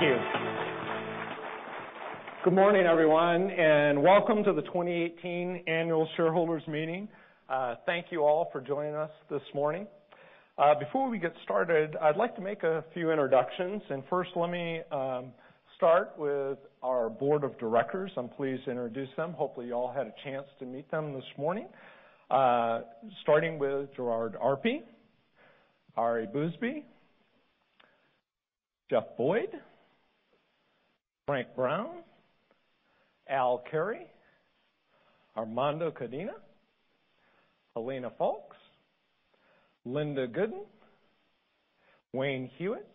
Thank you. Good morning, everyone, and welcome to the 2018 Annual Shareholders Meeting. Thank you all for joining us this morning. Before we get started, I'd like to make a few introductions. First, let me start with our board of directors. I'm pleased to introduce them. Hopefully, you all had a chance to meet them this morning. Starting with Gerard Arpey, Ari Bousbib, Jeff Boyd, Frank Brown, Al Carey, Armando Codina, Helena Foulkes, Linda Gooden, Wayne Hewett,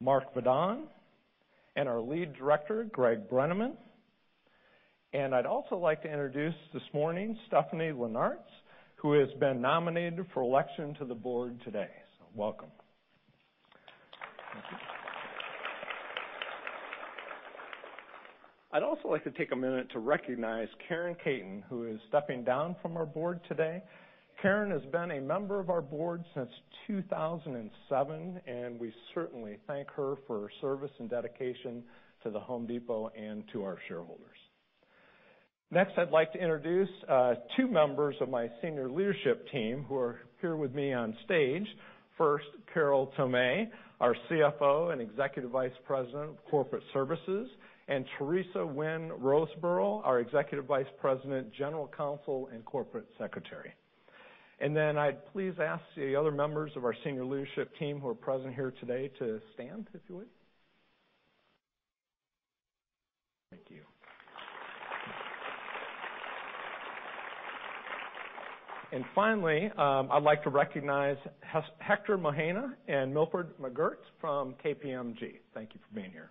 Mark Vadon, and our lead director, Greg Brenneman. I'd also like to introduce this morning Stephanie Linnartz, who has been nominated for election to the board today. Welcome. Thank you. I'd also like to take a minute to recognize Karen Katen, who is stepping down from our board today. Karen Katen has been a member of our board since 2007, and we certainly thank her for her service and dedication to The Home Depot and to our shareholders. Next, I'd like to introduce two members of my senior leadership team who are here with me on stage. First, Carol B. Tomé, our CFO and Executive Vice President of Corporate Services, and Teresa Wynn Roseborough, our Executive Vice President, General Counsel, and Corporate Secretary. Then I'd please ask the other members of our senior leadership team who are present here today to stand, if you would. Thank you. Finally, I'd like to recognize Hector Mojena and Milford McGuirt from KPMG. Thank you for being here.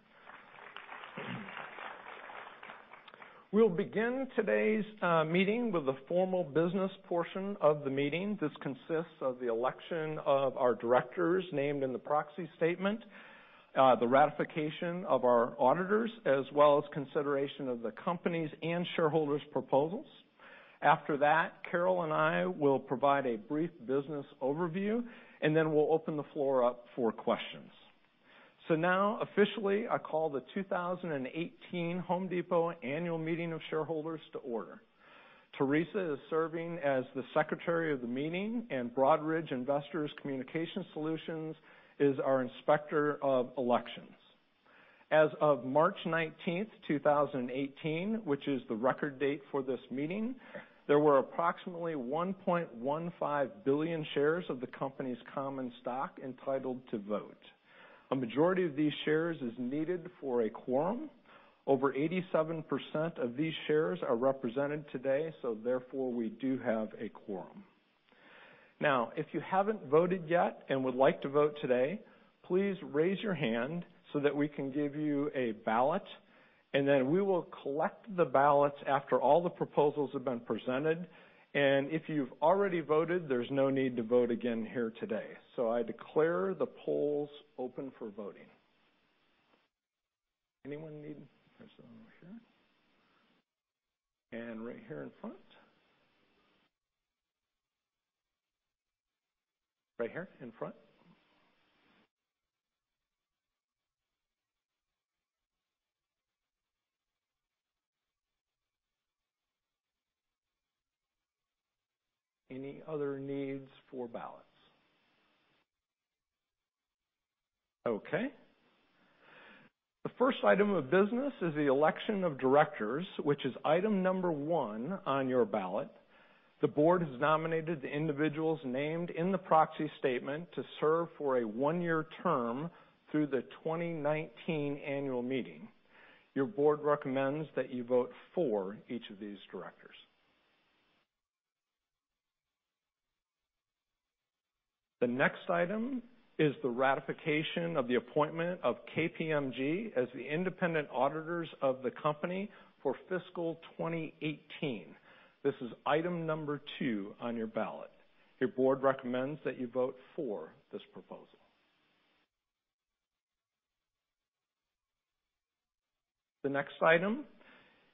We'll begin today's meeting with the formal business portion of the meeting. This consists of the election of our directors named in the proxy statement, the ratification of our auditors, as well as consideration of the company's and shareholders' proposals. After that, Carol and I will provide a brief business overview. Then we'll open the floor up for questions. Now, officially, I call the 2018 Home Depot Annual Meeting of Shareholders to order. Teresa is serving as the secretary of the meeting, and Broadridge Investor Communication Solutions is our inspector of elections. As of March 19th, 2018, which is the record date for this meeting, there were approximately 1.15 billion shares of the company's common stock entitled to vote. A majority of these shares is needed for a quorum. Over 87% of these shares are represented today. Therefore we do have a quorum. Now, if you haven't voted yet and would like to vote today, please raise your hand so that we can give you a ballot. Then we will collect the ballots after all the proposals have been presented. If you've already voted, there's no need to vote again here today. I declare the polls open for voting. There's one over here. Right here in front. Right here in front. Any other needs for ballots? Okay. The first item of business is the election of directors, which is item number 1 on your ballot. The board has nominated the individuals named in the proxy statement to serve for a one-year term through the 2019 annual meeting. Your board recommends that you vote for each of these directors. The next item is the ratification of the appointment of KPMG as the independent auditors of the company for fiscal 2018. This is item number 2 on your ballot. Your board recommends that you vote for this proposal. The next item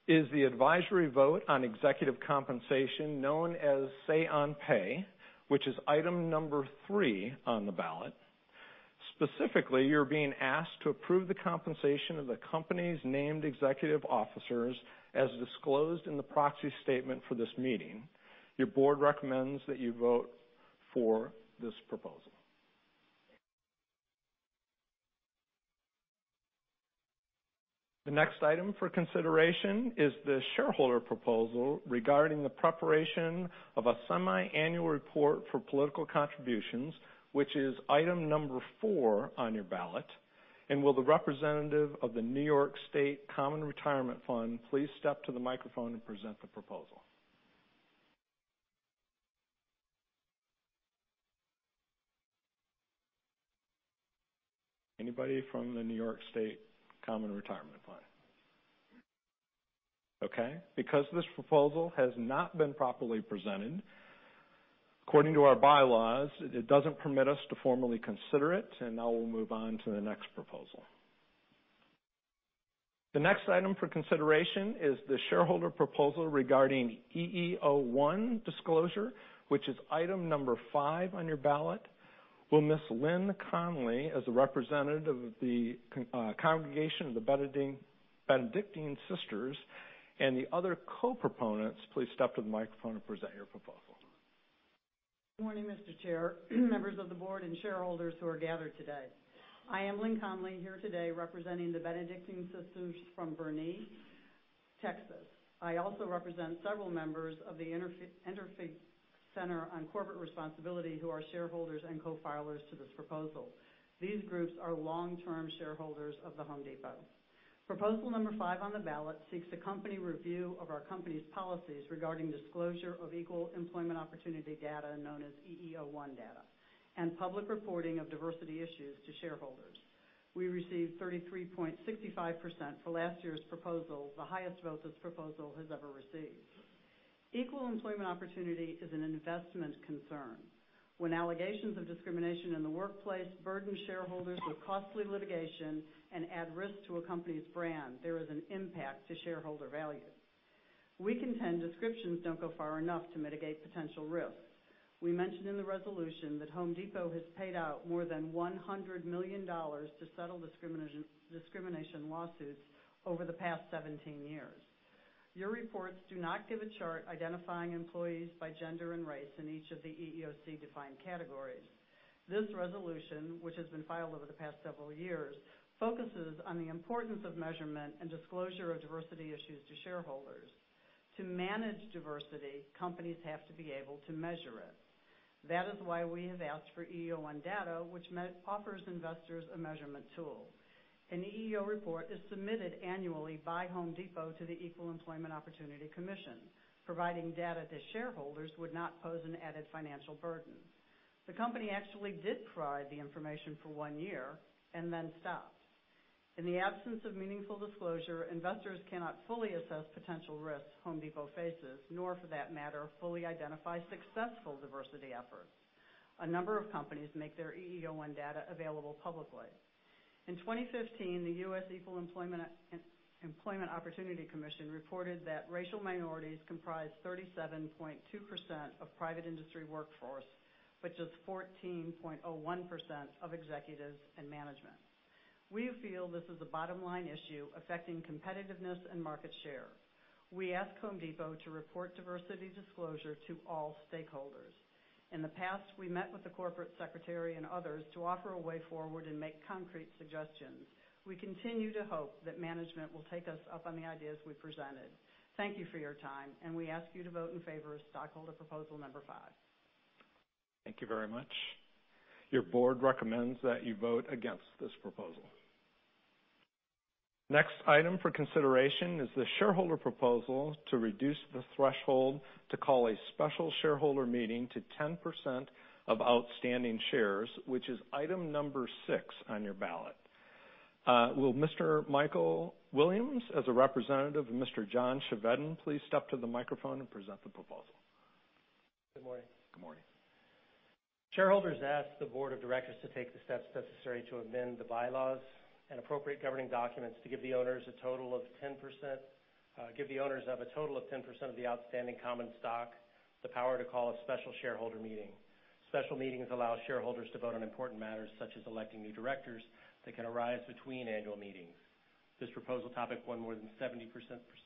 is the advisory vote on executive compensation known as Say on Pay, which is item number 3 on the ballot. Specifically, you're being asked to approve the compensation of the company's named executive officers as disclosed in the proxy statement for this meeting. Your board recommends that you vote for this proposal. The next item for consideration is the shareholder proposal regarding the preparation of a semi-annual report for political contributions, which is item number 4 on your ballot. Will the representative of the New York State Common Retirement Fund please step to the microphone and present the proposal? Anybody from the New York State Common Retirement Fund? Okay. Because this proposal has not been properly presented, according to our bylaws, it doesn't permit us to formally consider it. Now we'll move on to the next proposal. The next item for consideration is the shareholder proposal regarding EEO-1 disclosure, which is item number 5 on your ballot. Will Ms. Lynn Conley, as a representative of the Congregation of the Benedictine Sisters and the other co-proponents, please step to the microphone and present your proposal. Good morning, Mr. Chair, members of the board and shareholders who are gathered today. I am Lynn Conley, here today representing the Benedictine Sisters from Boerne, Texas. I also represent several members of the Interfaith Center on Corporate Responsibility, who are shareholders and co-filers to this proposal. These groups are long-term shareholders of The Home Depot. Proposal number 5 on the ballot seeks a company review of our company's policies regarding disclosure of equal employment opportunity data, known as EEO-1 data, and public reporting of diversity issues to shareholders. We received 33.65% for last year's proposal, the highest vote this proposal has ever received. Equal employment opportunity is an investment concern. When allegations of discrimination in the workplace burden shareholders with costly litigation and add risk to a company's brand, there is an impact to shareholder value. We contend descriptions don't go far enough to mitigate potential risks. We mentioned in the resolution that Home Depot has paid out more than $100 million to settle discrimination lawsuits over the past 17 years. Your reports do not give a chart identifying employees by gender and race in each of the EEOC-defined categories. This resolution, which has been filed over the past several years, focuses on the importance of measurement and disclosure of diversity issues to shareholders. To manage diversity, companies have to be able to measure it. That is why we have asked for EEO-1 data, which offers investors a measurement tool. An EEO report is submitted annually by Home Depot to the Equal Employment Opportunity Commission. Providing data to shareholders would not pose an added financial burden. The company actually did provide the information for one year and then stopped. In the absence of meaningful disclosure, investors cannot fully assess potential risks The Home Depot faces, nor for that matter, fully identify successful diversity efforts. A number of companies make their EEO-1 data available publicly. In 2015, the U.S. Equal Employment Opportunity Commission reported that racial minorities comprise 37.2% of private industry workforce, but just 14.01% of executives and management. We feel this is a bottom-line issue affecting competitiveness and market share. We ask The Home Depot to report diversity disclosure to all stakeholders. In the past, we met with the corporate secretary and others to offer a way forward and make concrete suggestions. We continue to hope that management will take us up on the ideas we presented. Thank you for your time, and we ask you to vote in favor of stockholder proposal number 5. Thank you very much. Your board recommends that you vote against this proposal. Next item for consideration is the shareholder proposal to reduce the threshold to call a special shareholder meeting to 10% of outstanding shares, which is item number 6 on your ballot. Will Mr. Michael Williams, as a representative of Mr. John Chevedden, please step to the microphone and present the proposal. Good morning. Good morning. Shareholders ask the board of directors to take the steps necessary to amend the bylaws and appropriate governing documents to give the owners of a total of 10% of the outstanding common stock the power to call a special shareholder meeting. Special meetings allow shareholders to vote on important matters, such as electing new directors, that can arise between annual meetings. This proposal topic won more than 70%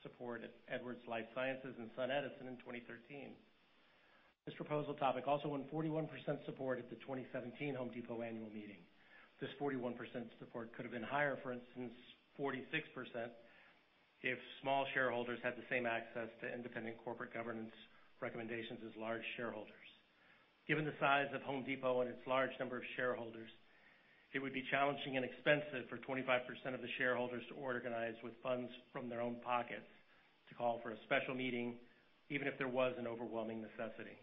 support at Edwards Lifesciences and SunEdison in 2013. This proposal topic also won 41% support at the 2017 The Home Depot annual meeting. This 41% support could have been higher, for instance, 46%, if small shareholders had the same access to independent corporate governance recommendations as large shareholders. Given the size of The Home Depot and its large number of shareholders, it would be challenging and expensive for 25% of the shareholders to organize with funds from their own pockets to call for a special meeting, even if there was an overwhelming necessity.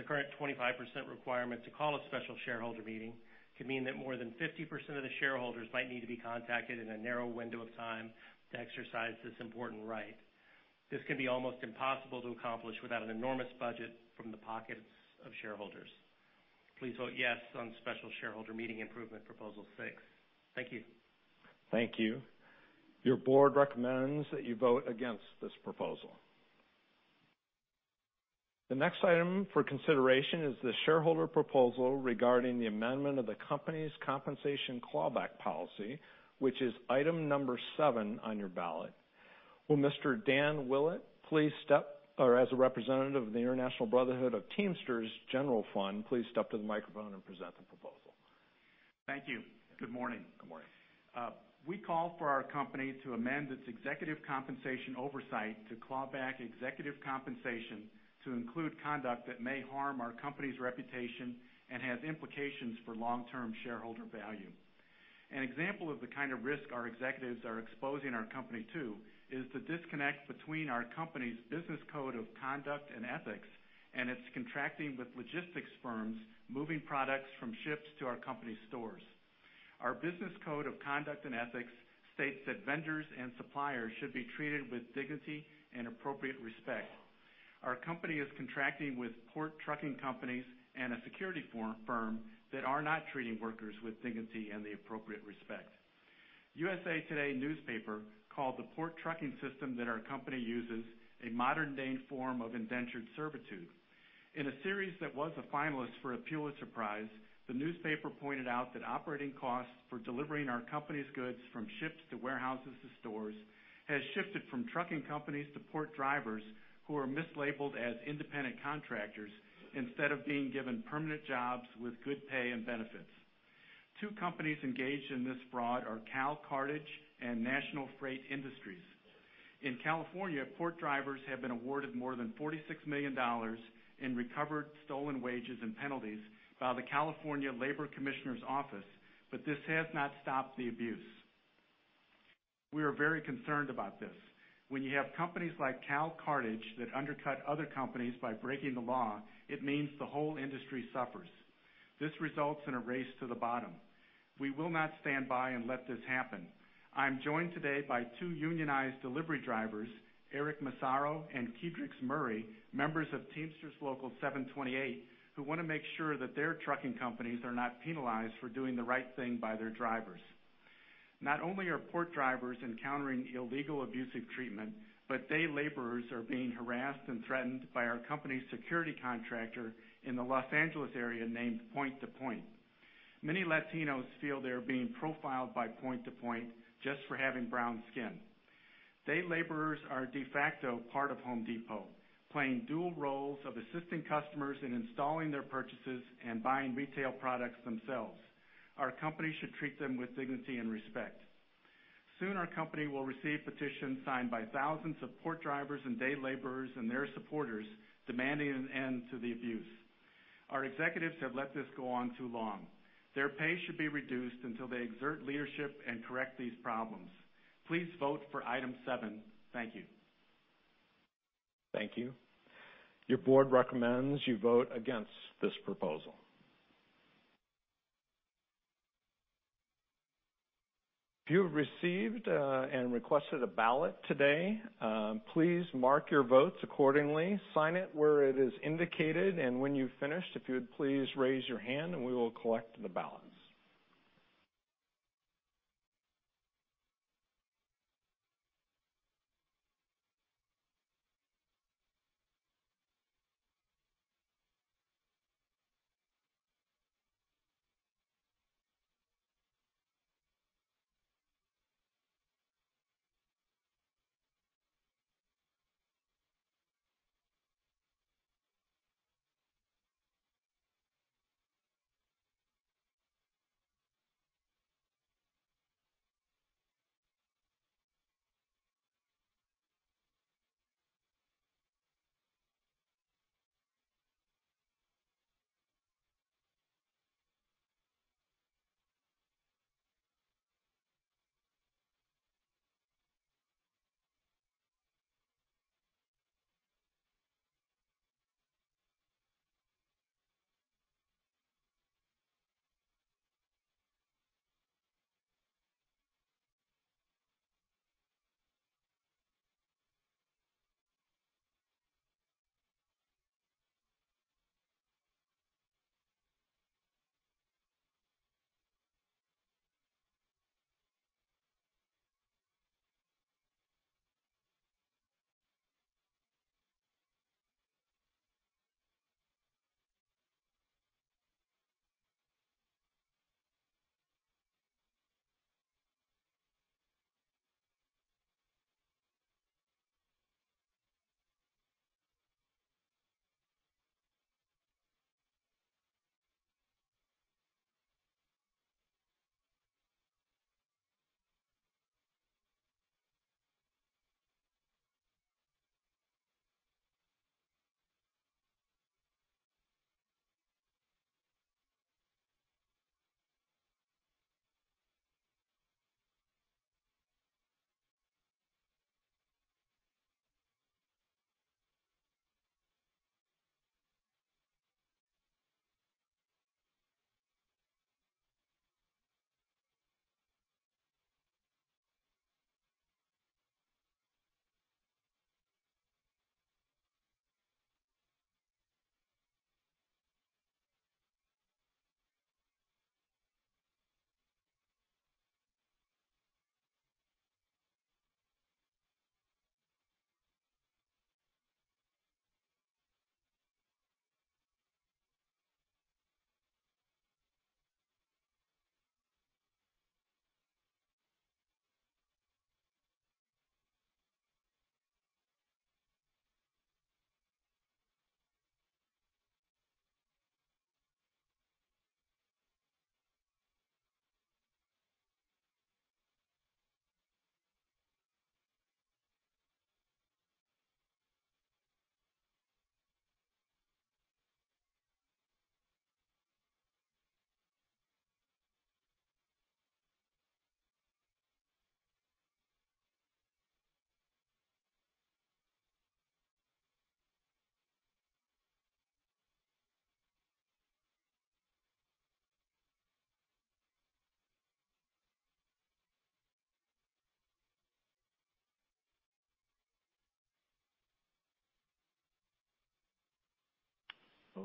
The current 25% requirement to call a special shareholder meeting could mean that more than 50% of the shareholders might need to be contacted in a narrow window of time to exercise this important right. This can be almost impossible to accomplish without an enormous budget from the pockets of shareholders. Please vote yes on special shareholder meeting improvement proposal six. Thank you. Thank you. Your board recommends that you vote against this proposal. The next item for consideration is the shareholder proposal regarding the amendment of the company's compensation claw-back policy, which is item number seven on your ballot. Will Mr. Dan Willett, as a representative of the International Brotherhood of Teamsters General Fund, please step to the microphone and present the proposal. Thank you. Good morning. Good morning. We call for our company to amend its executive compensation oversight to claw back executive compensation to include conduct that may harm our company's reputation and has implications for long-term shareholder value. An example of the kind of risk our executives are exposing our company to is the disconnect between our company's business code of conduct and ethics and its contracting with logistics firms moving products from ships to our company stores. Our business code of conduct and ethics states that vendors and suppliers should be treated with dignity and appropriate respect. Our company is contracting with port trucking companies and a security firm that are not treating workers with dignity and the appropriate respect. USA Today newspaper called the port trucking system that our company uses a modern-day form of indentured servitude. In a series that was a finalist for a Pulitzer Prize, the newspaper pointed out that operating costs for delivering our company's goods from ships to warehouses to stores has shifted from trucking companies to port drivers who are mislabeled as independent contractors instead of being given permanent jobs with good pay and benefits. Two companies engaged in this fraud are Cal Cartage and NFI Industries. In California, port drivers have been awarded more than $46 million in recovered stolen wages and penalties by the California Labor Commissioner's Office, but this has not stopped the abuse. We are very concerned about this. When you have companies like Cal Cartage that undercut other companies by breaking the law, it means the whole industry suffers. This results in a race to the bottom. We will not stand by and let this happen. I am joined today by two unionized delivery drivers, Eric Massaro and Kedrix Murray, members of Teamsters Local 728, who want to make sure that their trucking companies are not penalized for doing the right thing by their drivers. Not only are port drivers encountering illegal abusive treatment, but day laborers are being harassed and threatened by our company's security contractor in the Los Angeles area named Point to Point. Many Latinos feel they are being profiled by Point to Point just for having brown skin. Day laborers are de facto part of The Home Depot, playing dual roles of assisting customers in installing their purchases and buying retail products themselves. Our company should treat them with dignity and respect. Soon our company will receive petitions signed by thousands of port drivers and day laborers and their supporters demanding an end to the abuse. Our executives have let this go on too long. Their pay should be reduced until they exert leadership and correct these problems. Please vote for item seven. Thank you. Thank you. Your board recommends you vote against this proposal. If you have received and requested a ballot today, please mark your votes accordingly, sign it where it is indicated, and when you've finished, if you would please raise your hand and we will collect the ballots.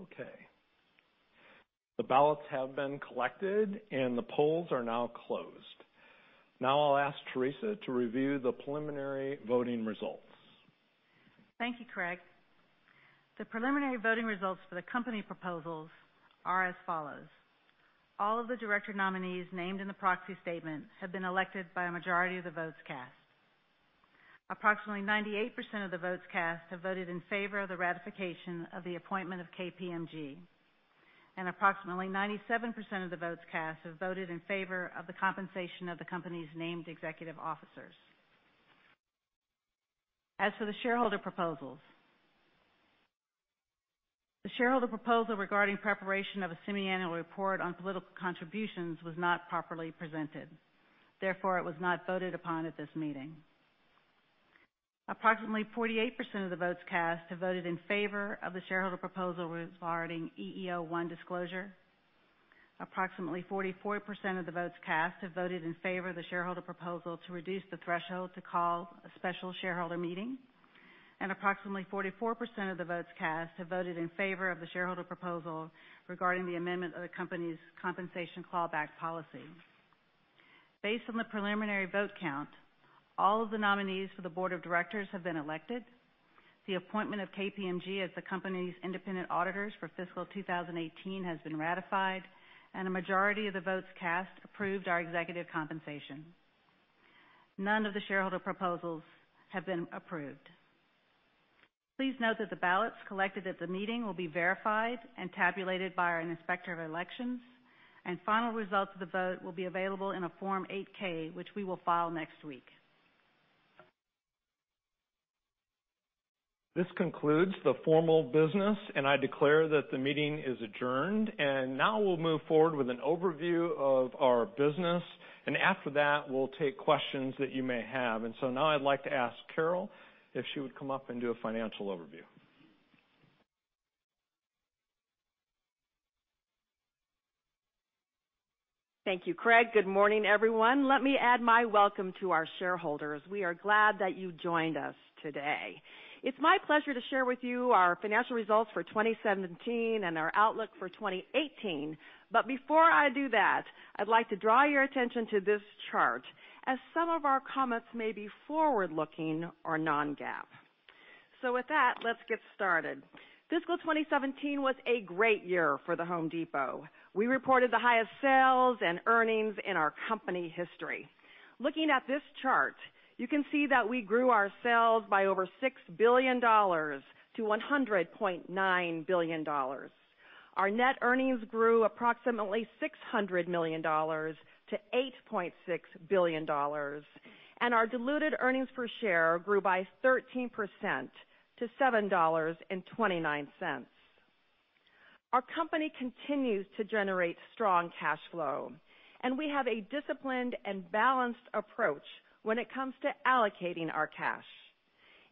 Okay. The ballots have been collected and the polls are now closed. I'll ask Teresa to review the preliminary voting results. Thank you, Craig. The preliminary voting results for the company proposals are as follows. All of the director nominees named in the proxy statement have been elected by a majority of the votes cast. Approximately 98% of the votes cast have voted in favor of the ratification of the appointment of KPMG. Approximately 97% of the votes cast have voted in favor of the compensation of the company's named executive officers. As for the shareholder proposals, the shareholder proposal regarding preparation of a semiannual report on political contributions was not properly presented, therefore it was not voted upon at this meeting. Approximately 48% of the votes cast have voted in favor of the shareholder proposal regarding EEO-1 disclosure. Approximately 44% of the votes cast have voted in favor of the shareholder proposal to reduce the threshold to call a special shareholder meeting, and approximately 44% of the votes cast have voted in favor of the shareholder proposal regarding the amendment of the company's compensation clawback policy. Based on the preliminary vote count, all of the nominees for the board of directors have been elected. The appointment of KPMG as the company's independent auditors for fiscal 2018 has been ratified, and a majority of the votes cast approved our executive compensation. None of the shareholder proposals have been approved. Please note that the ballots collected at the meeting will be verified and tabulated by our Inspector of Elections, and final results of the vote will be available in a Form 8-K, which we will file next week. This concludes the formal business, I declare that the meeting is adjourned. Now we'll move forward with an overview of our business, after that, we'll take questions that you may have. Now I'd like to ask Carol if she would come up and do a financial overview. Thank you, Craig. Good morning, everyone. Let me add my welcome to our shareholders. We are glad that you joined us today. It's my pleasure to share with you our financial results for 2017 and our outlook for 2018. Before I do that, I'd like to draw your attention to this chart, as some of our comments may be forward-looking or non-GAAP. With that, let's get started. Fiscal 2017 was a great year for The Home Depot. We reported the highest sales and earnings in our company history. Looking at this chart, you can see that we grew our sales by over $6 billion to $100.9 billion. Our net earnings grew approximately $600 million to $8.6 billion, our diluted earnings per share grew by 13% to $7.29. Our company continues to generate strong cash flow, we have a disciplined and balanced approach when it comes to allocating our cash.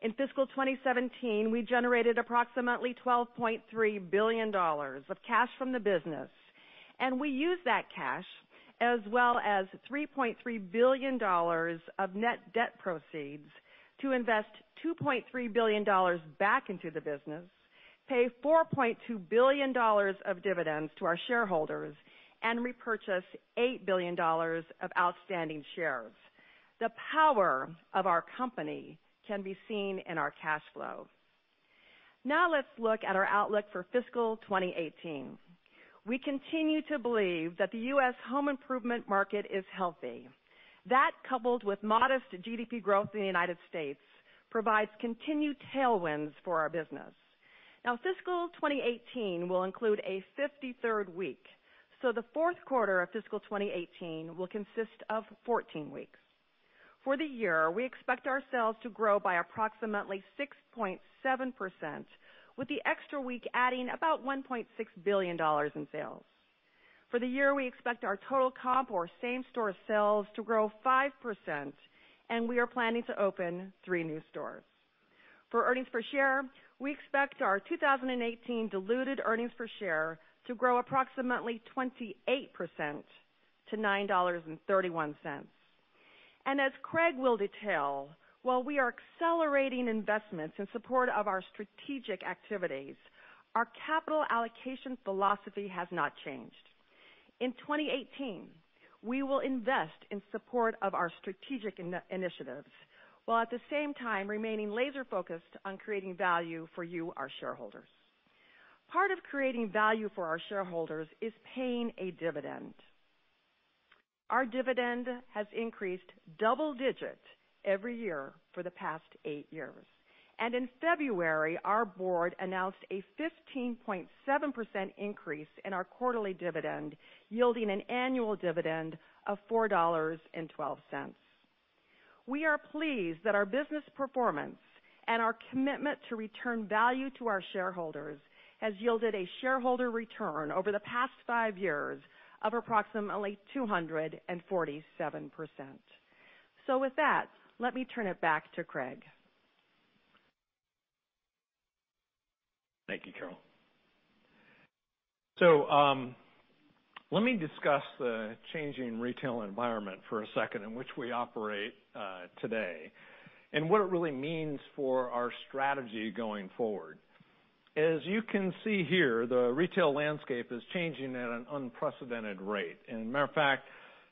In fiscal 2017, we generated approximately $12.3 billion of cash from the business, we used that cash, as well as $3.3 billion of net debt proceeds to invest $2.3 billion back into the business, pay $4.2 billion of dividends to our shareholders, and repurchase $8 billion of outstanding shares. The power of our company can be seen in our cash flow. Let's look at our outlook for fiscal 2018. We continue to believe that the U.S. home improvement market is healthy. That, coupled with modest GDP growth in the United States, provides continued tailwinds for our business. Fiscal 2018 will include a 53rd week, so the fourth quarter of fiscal 2018 will consist of 14 weeks. For the year, we expect our sales to grow by approximately 6.7%, with the extra week adding about $1.6 billion in sales. For the year, we expect our total comp, or same-store sales, to grow 5%, we are planning to open three new stores. For earnings per share, we expect our 2018 diluted earnings per share to grow approximately 28% to $9.31. As Craig will detail, while we are accelerating investments in support of our strategic activities, our capital allocation philosophy has not changed. In 2018, we will invest in support of our strategic initiatives while at the same time remaining laser-focused on creating value for you, our shareholders. Part of creating value for our shareholders is paying a dividend. Our dividend has increased double digits every year for the past eight years. In February, our board announced a 15.7% increase in our quarterly dividend, yielding an annual dividend of $4.12. We are pleased that our business performance and our commitment to return value to our shareholders has yielded a shareholder return over the past five years of approximately 247%. With that, let me turn it back to Craig. Thank you, Carol. Let me discuss the changing retail environment for a second in which we operate today and what it really means for our strategy going forward. As you can see here, the retail landscape is changing at an unprecedented rate. Matter of fact,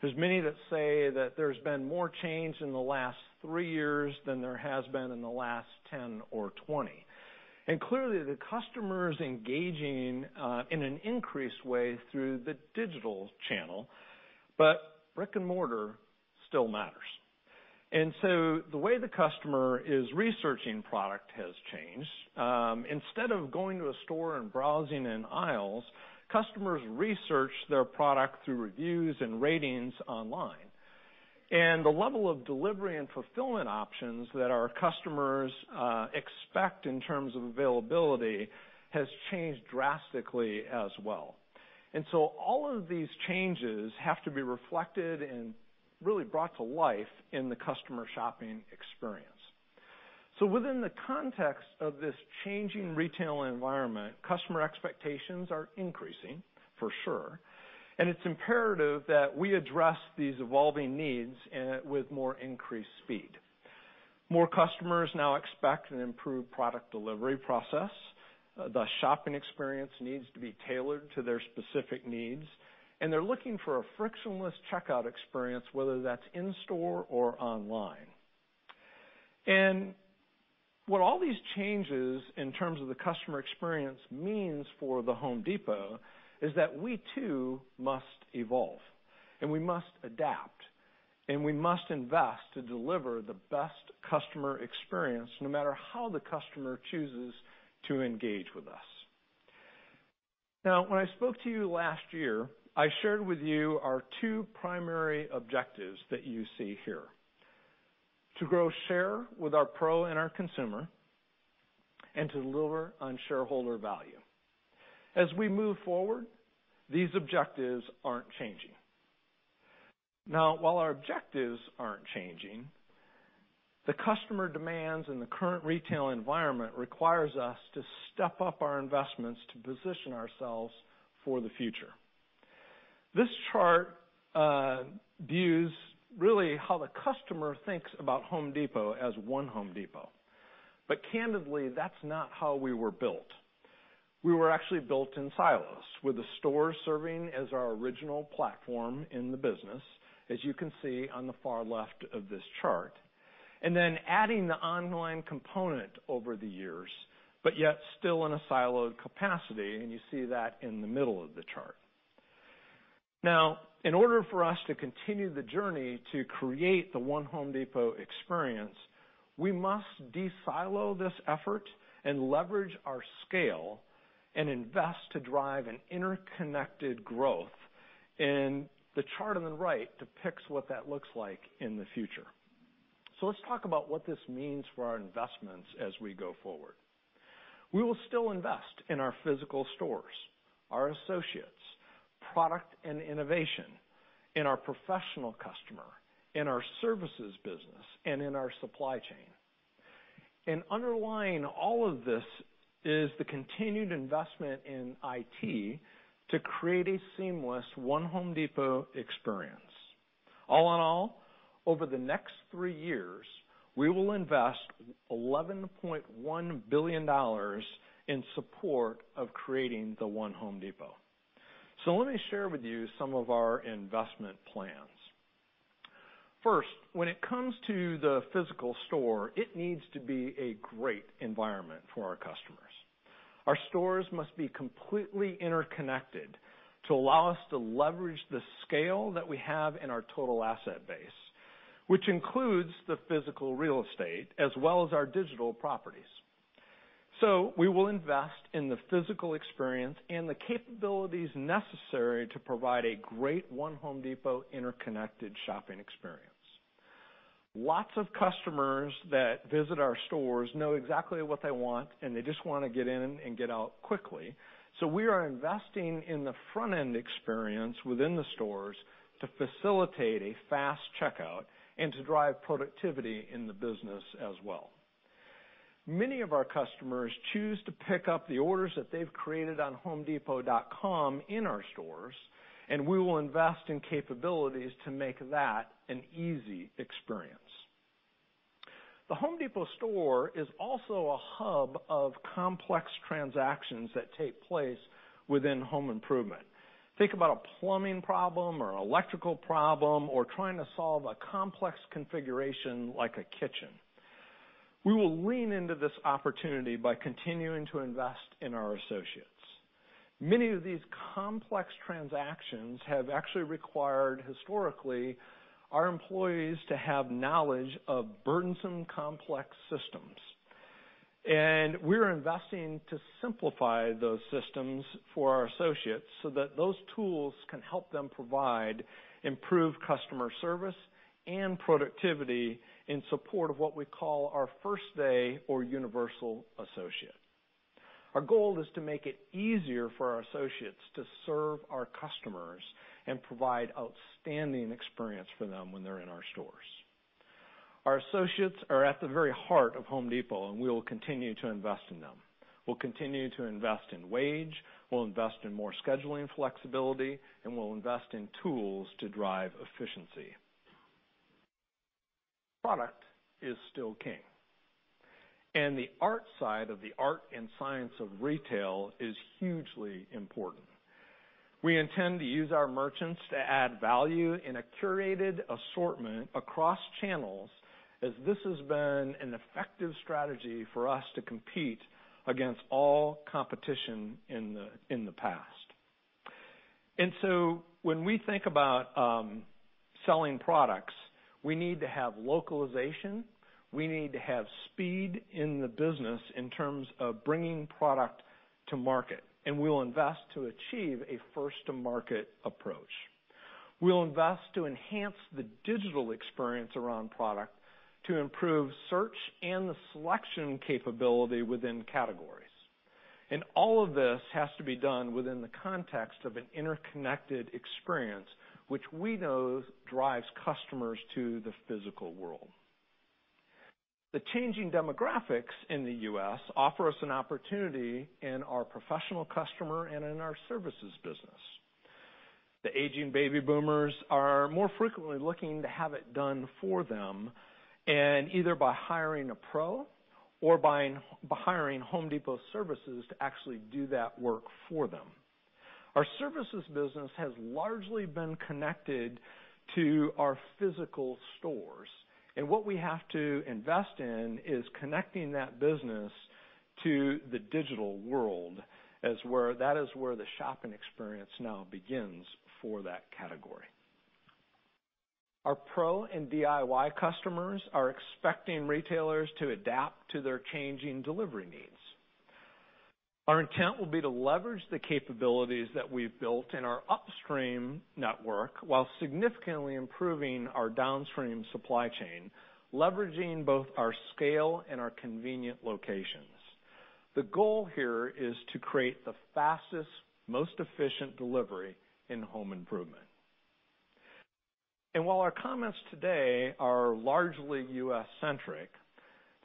there's many that say that there's been more change in the last three years than there has been in the last 10 or 20. Clearly, the customer's engaging in an increased way through the digital channel, but brick and mortar still matters. The way the customer is researching product has changed. Instead of going to a store and browsing in aisles, customers research their product through reviews and ratings online. The level of delivery and fulfillment options that our customers expect in terms of availability has changed drastically as well. All of these changes have to be reflected and really brought to life in the customer shopping experience. Within the context of this changing retail environment, customer expectations are increasing, for sure, and it's imperative that we address these evolving needs with more increased speed. More customers now expect an improved product delivery process. The shopping experience needs to be tailored to their specific needs, and they're looking for a frictionless checkout experience, whether that's in store or online. What all these changes in terms of the customer experience means for The Home Depot is that we too must evolve, and we must adapt, and we must invest to deliver the best customer experience, no matter how the customer chooses to engage with us. Now, when I spoke to you last year, I shared with you our two primary objectives that you see here: to grow share with our pro and our consumer, and to deliver on shareholder value. As we move forward, these objectives aren't changing. Now, while our objectives aren't changing, the customer demands and the current retail environment requires us to step up our investments to position ourselves for the future. This chart views really how the customer thinks about The Home Depot as one The Home Depot. Candidly, that's not how we were built. We were actually built in silos, with the store serving as our original platform in the business, as you can see on the far left of this chart. Then adding the online component over the years, but yet still in a siloed capacity, and you see that in the middle of the chart. In order for us to continue the journey to create the one Home Depot experience, we must de-silo this effort and leverage our scale and invest to drive an interconnected growth. The chart on the right depicts what that looks like in the future. Let's talk about what this means for our investments as we go forward. We will still invest in our physical stores, our associates, product and innovation, in our professional customer, in our services business, and in our supply chain. Underlying all of this is the continued investment in IT to create a seamless one Home Depot experience. All in all, over the next three years, we will invest $11.1 billion in support of creating the one Home Depot. Let me share with you some of our investment plans. First, when it comes to the physical store, it needs to be a great environment for our customers. Our stores must be completely interconnected to allow us to leverage the scale that we have in our total asset base, which includes the physical real estate as well as our digital properties. We will invest in the physical experience and the capabilities necessary to provide a great one Home Depot interconnected shopping experience. Lots of customers that visit our stores know exactly what they want, and they just want to get in and get out quickly. We are investing in the front-end experience within the stores to facilitate a fast checkout and to drive productivity in the business as well. Many of our customers choose to pick up the orders that they've created on homedepot.com in our stores, and we will invest in capabilities to make that an easy experience. The Home Depot store is also a hub of complex transactions that take place within home improvement. Think about a plumbing problem or an electrical problem or trying to solve a complex configuration like a kitchen. We will lean into this opportunity by continuing to invest in our associates. Many of these complex transactions have actually required, historically, our employees to have knowledge of burdensome, complex systems. We're investing to simplify those systems for our associates so that those tools can help them provide improved customer service and productivity in support of what we call our first day or universal associate. Our goal is to make it easier for our associates to serve our customers and provide outstanding experience for them when they're in our stores. Our associates are at the very heart of Home Depot, and we will continue to invest in them. We'll continue to invest in wage, we'll invest in more scheduling flexibility, and we'll invest in tools to drive efficiency. Product is still king, and the art side of the art and science of retail is hugely important. We intend to use our merchants to add value in a curated assortment across channels, as this has been an effective strategy for us to compete against all competition in the past. When we think about selling products, we need to have localization. We need to have speed in the business in terms of bringing product to market, and we will invest to achieve a first-to-market approach. We'll invest to enhance the digital experience around product to improve search and the selection capability within categories. All of this has to be done within the context of an interconnected experience which we know drives customers to the physical world. The changing demographics in the U.S. offer us an opportunity in our professional customer and in our services business. The aging baby boomers are more frequently looking to have it done for them, and either by hiring a pro or by hiring The Home Depot services to actually do that work for them. Our services business has largely been connected to our physical stores, and what we have to invest in is connecting that business to the digital world, as that is where the shopping experience now begins for that category. Our pro and DIY customers are expecting retailers to adapt to their changing delivery needs. Our intent will be to leverage the capabilities that we've built in our upstream network while significantly improving our downstream supply chain, leveraging both our scale and our convenient locations. The goal here is to create the fastest, most efficient delivery in home improvement. While our comments today are largely U.S.-centric,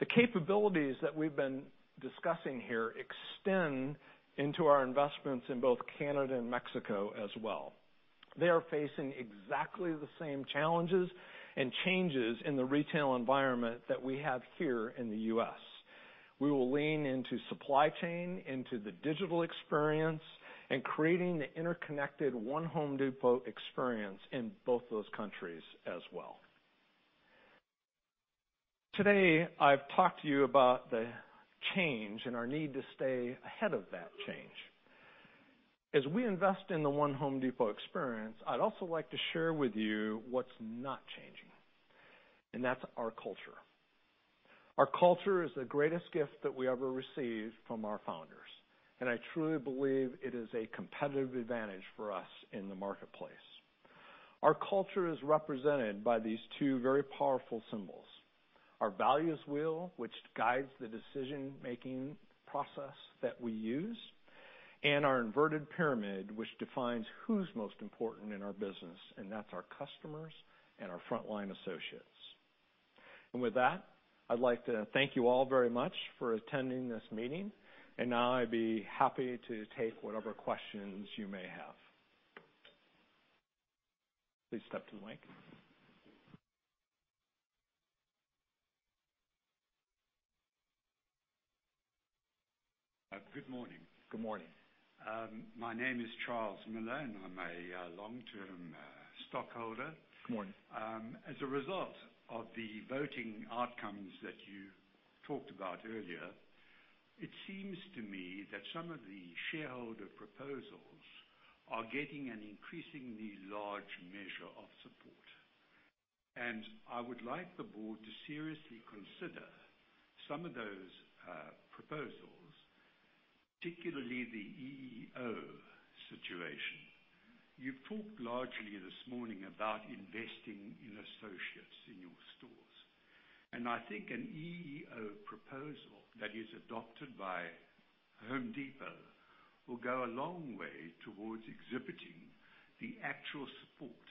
the capabilities that we've been discussing here extend into our investments in both Canada and Mexico as well. They are facing exactly the same challenges and changes in the retail environment that we have here in the U.S. We will lean into supply chain, into the digital experience, and creating the interconnected one The Home Depot experience in both those countries as well. Today, I've talked to you about the change and our need to stay ahead of that change. As we invest in the one The Home Depot experience, I'd also like to share with you what's not changing, and that's our culture. Our culture is the greatest gift that we ever received from our founders, and I truly believe it is a competitive advantage for us in the marketplace. Our culture is represented by these two very powerful symbols. Our values wheel, which guides the decision-making process that we use, and our inverted pyramid, which defines who's most important in our business, and that's our customers and our frontline associates. With that, I'd like to thank you all very much for attending this meeting. Now I'd be happy to take whatever questions you may have. Please step to the mic. Good morning. Good morning. My name is Charles Miller. I'm a long-term stockholder. Good morning. As a result of the voting outcomes that you talked about earlier, it seems to me that some of the shareholder proposals are getting an increasingly large measure of support. I would like the board to seriously consider some of those proposals, particularly the EEO situation. You talked largely this morning about investing in associates in your stores. I think an EEO proposal that is adopted by Home Depot will go a long way towards exhibiting the actual support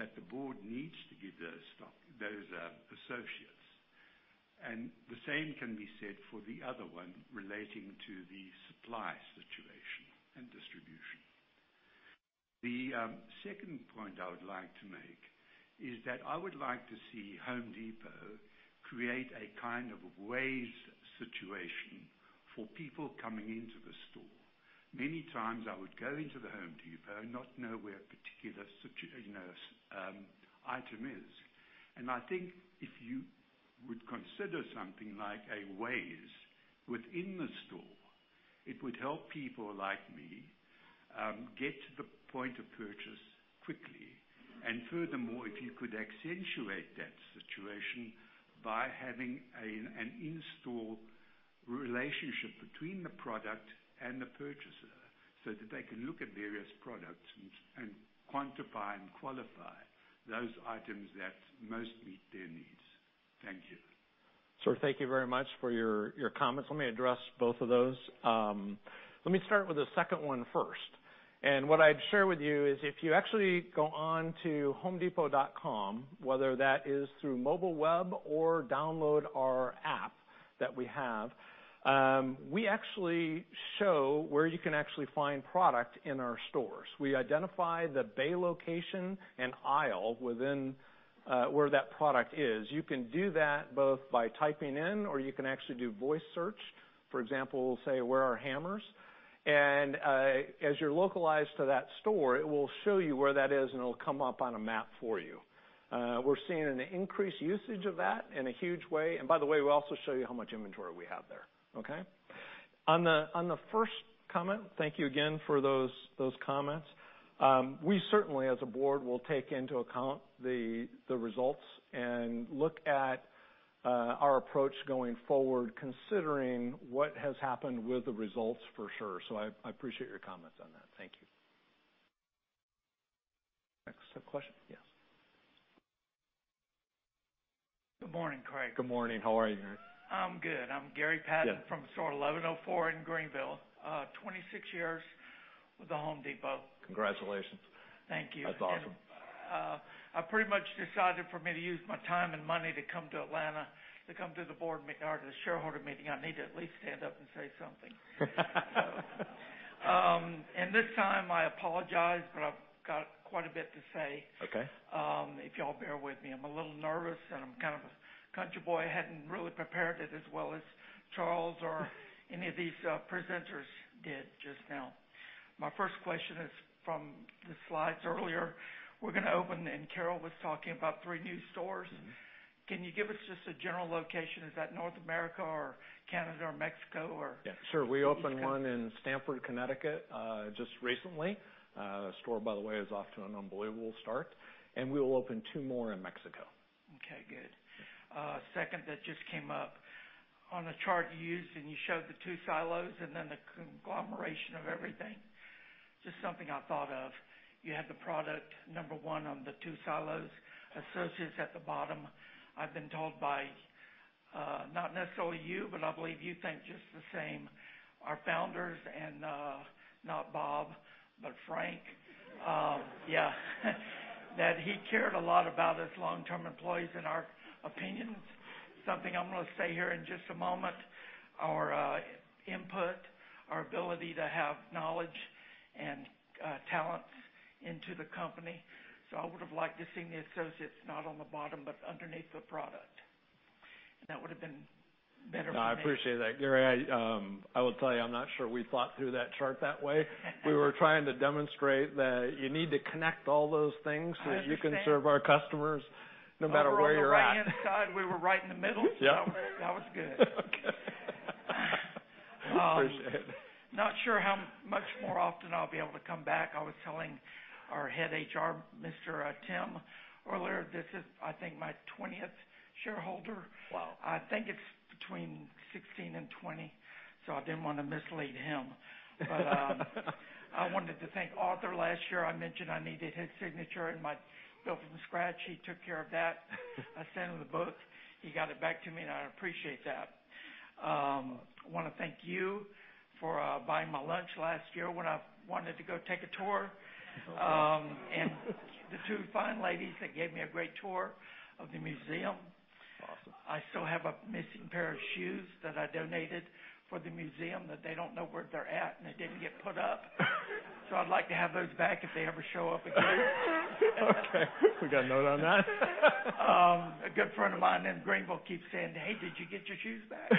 that the board needs to give those associates. The same can be said for the other one relating to the supply situation and distribution. The second point I would like to make is that I would like to see Home Depot create a kind of Waze situation for people coming into the store. Many times, I would go into The Home Depot and not know where a particular item is. I think if you would consider something like a Waze within the store, it would help people like me get to the point of purchase quickly. Furthermore, if you could accentuate that situation by having an in-store relationship between the product and the purchaser so that they can look at various products and quantify and qualify those items that most meet their needs. Thank you. Sure. Thank you very much for your comments. Let me address both of those. Let me start with the second one first. What I'd share with you is if you actually go on to homedepot.com, whether that is through mobile web or download our app that we have, we actually show where you can actually find product in our stores. We identify the bay location and aisle within where that product is. You can do that both by typing in, or you can actually do voice search. For example, say, "Where are hammers?" As you're localized to that store, it will show you where that is, it'll come up on a map for you. We're seeing an increased usage of that in a huge way. By the way, we also show you how much inventory we have there. Okay? On the first comment, thank you again for those comments. We certainly, as a board, will take into account the results and look at our approach going forward considering what has happened with the results for sure. I appreciate your comments on that. Thank you. Next up question. Yes. Good morning, Craig. Good morning. How are you? I'm good. I'm Gary Patton. Yeah I'm from store 1104 in Greenville. 26 years with The Home Depot. Congratulations. Thank you. That's awesome. I pretty much decided for me to use my time and money to come to Atlanta to come to the board meeting or the shareholder meeting, I need to at least stand up and say something. This time I apologize, but I've got quite a bit to say. Okay. If you all bear with me, I'm a little nervous, and I'm kind of a country boy. I hadn't really prepared it as well as Charles or any of these presenters did just now. My first question is from the slides earlier. We're going to open, and Carol was talking about three new stores. Can you give us just a general location? Is that North America or Canada or Mexico? Yeah. Sure Mexico? We opened one in Stamford, Connecticut, just recently. Store, by the way, is off to an unbelievable start. We will open two more in Mexico. Okay, good. Yeah. Second that just came up. On the chart you used, and you showed the two silos and then the conglomeration of everything. Just something I thought of. You had the product number one on the two silos, associates at the bottom. I've been told by, not necessarily you, but I believe you think just the same, our founders and, not Bob, but Frank. Yeah. That he cared a lot about his long-term employees and our opinions. Something I'm going to say here in just a moment, our input, our ability to have knowledge and talents into the company. I would have liked to seen the associates not on the bottom, but underneath the product. That would have been better for me. No, I appreciate that, Gary. I will tell you, I'm not sure we thought through that chart that way. We were trying to demonstrate that you need to connect all those things- I understand You can serve our customers no matter where you're at. Over on the right-hand side, we were right in the middle. Yeah. That was good. Appreciate it. Not sure how much more often I'll be able to come back. I was telling our head HR, Mr. Tim, earlier, this is, I think, my 20th shareholder. Wow. I think it's between 16 and 20. I didn't want to mislead him. I wanted to thank Arthur last year. I mentioned I needed his signature in my Built from Scratch. He took care of that. I sent him the book. He got it back to me. I appreciate that. I want to thank you for buying my lunch last year when I wanted to go take a tour. The two fine ladies that gave me a great tour of the museum. Awesome. I still have a missing pair of shoes that I donated for the museum that they don't know where they're at, and they didn't get put up. I'd like to have those back if they ever show up again. Okay. We got a note on that. A good friend of mine in Greenville keeps saying, "Hey, did you get your shoes back?"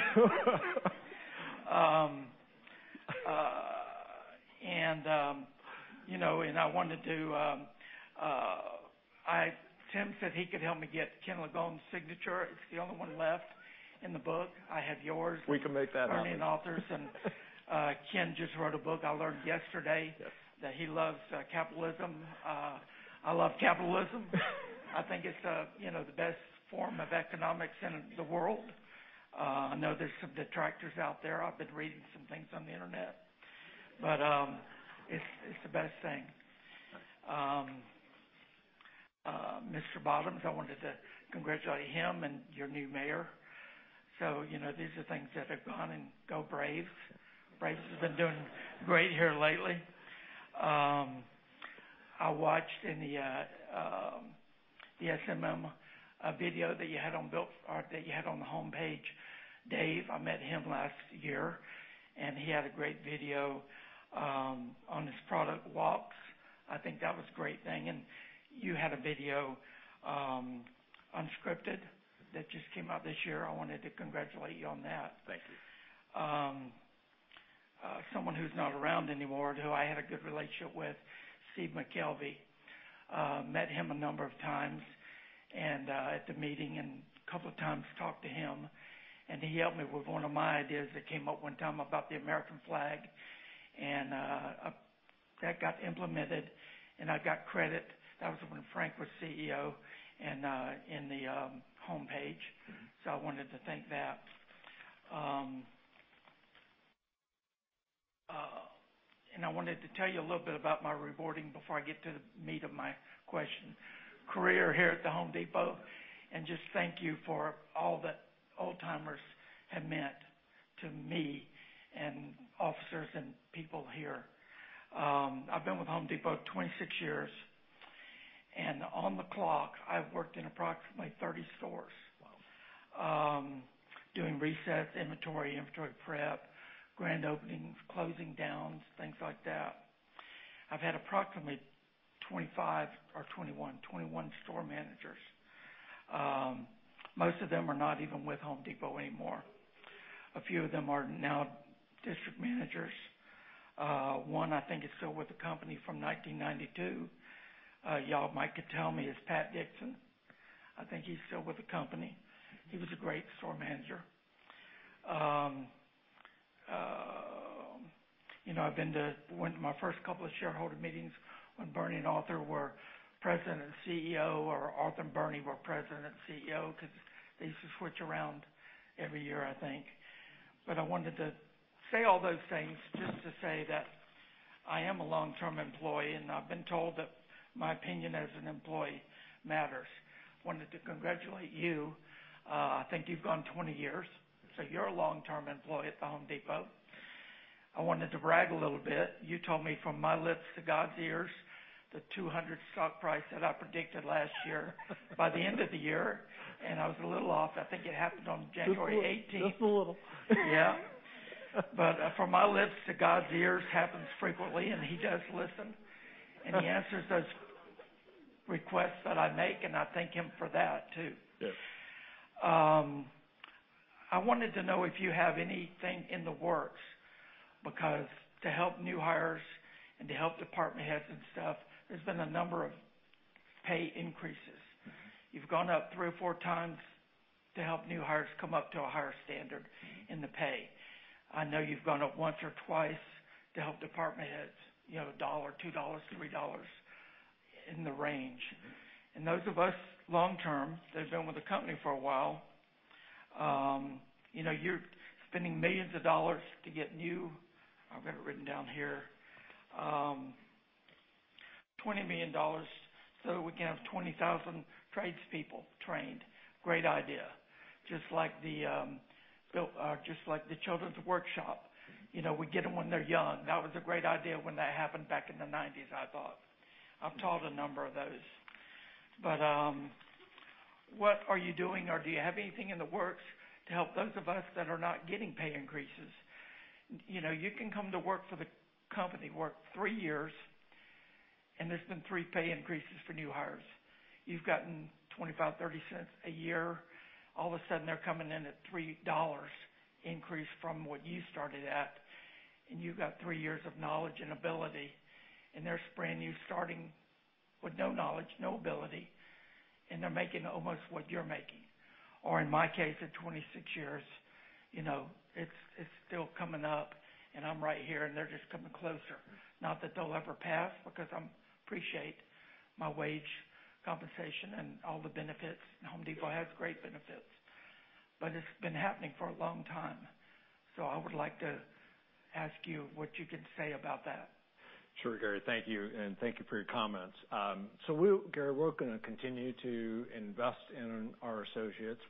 Tim said he could help me get Ken Langone's signature. It's the only one left in the book. I have yours. We can make that happen. Many authors and Ken just wrote a book. I learned yesterday. Yes that he loves capitalism. I love capitalism. I think it's the best form of economics in the world. I know there's some detractors out there. I've been reading some things on the internet. It's the best thing. Mr. Bottoms, I wanted to congratulate him and your new mayor. These are things that have gone and Go Braves. Braves has been doing great here lately. I watched in the SMM video that you had on the homepage. Dave, I met him last year, and he had a great video on his product walks. I think that was a great thing. You had a video, unscripted, that just came out this year. I wanted to congratulate you on that. Thank you. Someone who's not around anymore, who I had a good relationship with, Steve McKelvey. Met him a number of times at the meeting and a couple of times talked to him, he helped me with one of my ideas that came up one time about the American flag. That got implemented, and I got credit, that was when Frank was CEO, in the homepage. I wanted to thank that. I wanted to tell you a little bit about my rewarding before I get to the meat of my question. Career here at Home Depot, just thank you for all that old-timers have meant to me and officers and people here. I've been with Home Depot 26 years, and on the clock, I've worked in approximately 30 stores. Wow doing resets, inventory prep, grand openings, closing downs, things like that. I've had approximately 25 or 21 store managers. Most of them are not even with The Home Depot anymore. A few of them are now district managers. One, I think, is still with the company from 1992. Y'all might could tell me, is Pat Dixon. I think he's still with the company. He was a great store manager. I've been to my first couple of shareholder meetings when Bernie and Arthur were president and CEO, or Arthur and Bernie were president and CEO, because they used to switch around every year, I think. I wanted to say all those things just to say that I am a long-term employee, and I've been told that my opinion as an employee matters. Wanted to congratulate you. I think you've gone 20 years, you're a long-term employee at The Home Depot. I wanted to brag a little bit. You told me from my lips to God's ears, the $200 stock price that I predicted last year by the end of the year, I was a little off. I think it happened on January 18th. Just a little. Yeah. From my lips to God's ears happens frequently, he does listen, he answers those requests that I make, I thank him for that, too. Yes. I wanted to know if you have anything in the works. To help new hires and to help department heads and stuff, there's been a number of pay increases. You've gone up three or four times to help new hires come up to a higher standard in the pay. I know you've gone up once or twice to help department heads, $1, $2, $3 in the range. Those of us long-term, that have been with the company for a while, you're spending millions of dollars to get new I've got it written down here. $20 million so we can have 20,000 tradespeople trained. Great idea. Just like the children's workshop. We get them when they're young. That was a great idea when that happened back in the 1990s, I thought. I've taught a number of those. What are you doing, or do you have anything in the works to help those of us that are not getting pay increases? You can come to work for the company, work three years, and there's been three pay increases for new hires. You've gotten $0.25, $0.30 a year. All of a sudden, they're coming in at $3 increase from what you started at, and you've got three years of knowledge and ability, and there's brand-new starting with no knowledge, no ability, and they're making almost what you're making. Or in my case, at 26 years, it's still coming up, and I'm right here, and they're just coming closer. Not that they'll ever pass, because I appreciate my wage compensation and all the benefits. The Home Depot has great benefits. It's been happening for a long time. I would like to ask you what you can say about that. Sure, Gary. Thank you, and thank you for your comments. Gary, we're going to continue to invest in our associates.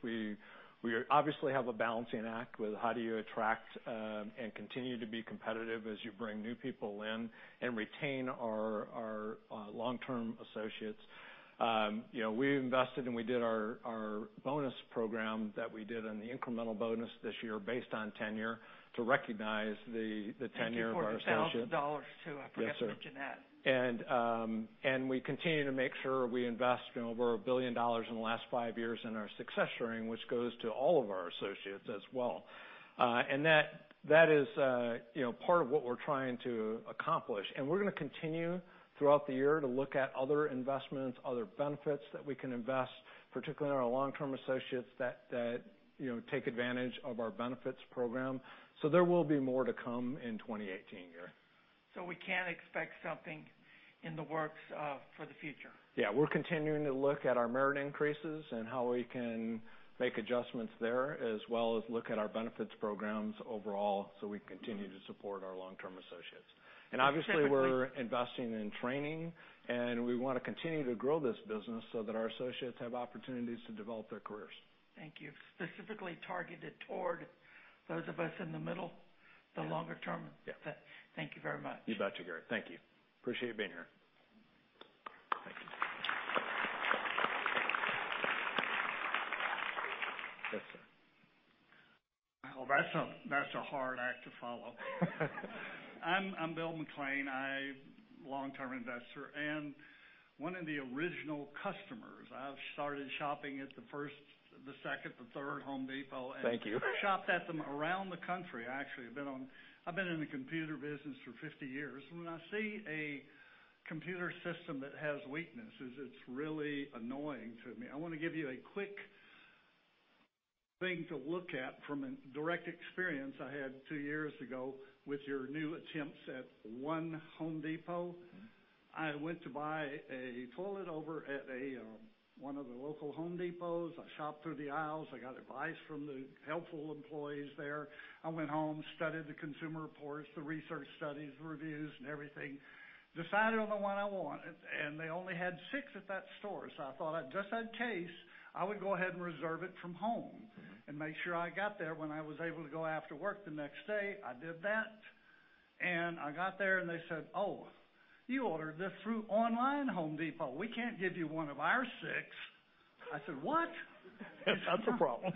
We obviously have a balancing act with how do you attract and continue to be competitive as you bring new people in and retain our long-term associates. We invested and we did our bonus program that we did an incremental bonus this year based on tenure to recognize the tenure of our associates. Thank you for the $1,000, too. Yes, sir. I forgot to mention that. We continue to make sure we invest over $1 billion in the last five years in our success sharing, which goes to all of our associates as well. That is part of what we're trying to accomplish. We're going to continue throughout the year to look at other investments, other benefits that we can invest, particularly in our long-term associates that take advantage of our benefits program. There will be more to come in 2018, Gary. We can expect something in the works for the future? Yeah. We're continuing to look at our merit increases and how we can make adjustments there, as well as look at our benefits programs overall so we continue to support our long-term associates. Obviously. Specifically- We're investing in training, we want to continue to grow this business so that our associates have opportunities to develop their careers. Thank you. Specifically targeted toward those of us in the middle. Yeah the longer term. Yeah. Thank you very much. You betcha, Gary. Thank you. Appreciate you being here. Thank you. Yes, sir. Well, that's a hard act to follow. I'm Bill McLean. I'm a long-term investor and one of the original customers. I've started shopping at the first, the second, the third The Home Depot- Thank you Shopped at them around the country, actually. I've been in the computer business for 50 years. When I see a computer system that has weaknesses, it's really annoying to me. I want to give you a quick thing to look at from a direct experience I had two years ago with your new attempts at One Home Depot. I went to buy a toilet over at one of the local Home Depots. I shopped through the aisles. I got advice from the helpful employees there. I went home, studied the Consumer Reports, the research studies, the reviews and everything, decided on the one I wanted, and they only had six at that store. I thought just in case, I would go ahead and reserve it from home and make sure I got there when I was able to go after work the next day. I did that. I got there and they said, "Oh, you ordered this through online Home Depot. We can't give you one of our six." I said, "What? That's a problem.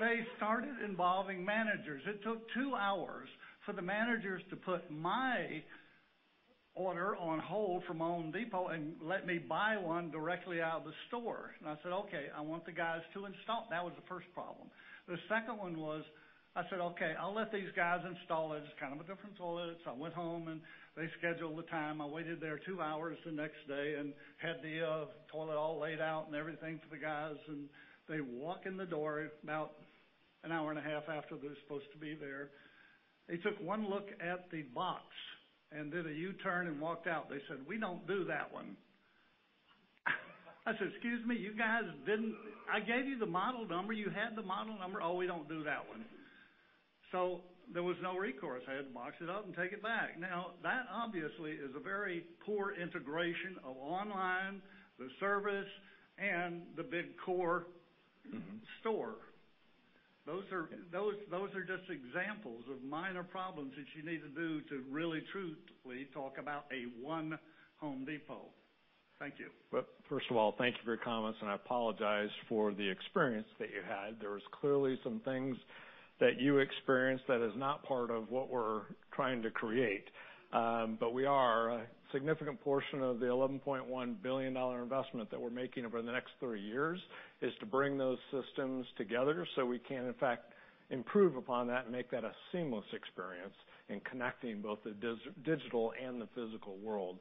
They started involving managers. It took 2 hours for the managers to put my order on hold from The Home Depot and let me buy one directly out of the store. I said, "Okay, I want the guys to install." That was the first problem. The second one was, I said, "Okay, I'll let these guys install it. It's kind of a different toilet." I went home, and they scheduled the time. I waited there 2 hours the next day and had the toilet all laid out and everything for the guys, and they walk in the door about an hour and a half after they're supposed to be there. They took one look at the box and did a U-turn and walked out. They said, "We don't do that one." I said, "Excuse me, you guys didn't. I gave you the model number. You had the model number." "Oh, we don't do that one." There was no recourse. I had to box it up and take it back. That obviously is a very poor integration of online, the service, and the big core store. Those are just examples of minor problems that you need to do to really truthfully talk about a one The Home Depot. Thank you. First of all, thank you for your comments, and I apologize for the experience that you had. There was clearly some things that you experienced that is not part of what we're trying to create. We are A significant portion of the $11.1 billion investment that we're making over the next three years is to bring those systems together so we can, in fact, improve upon that and make that a seamless experience in connecting both the digital and the physical world.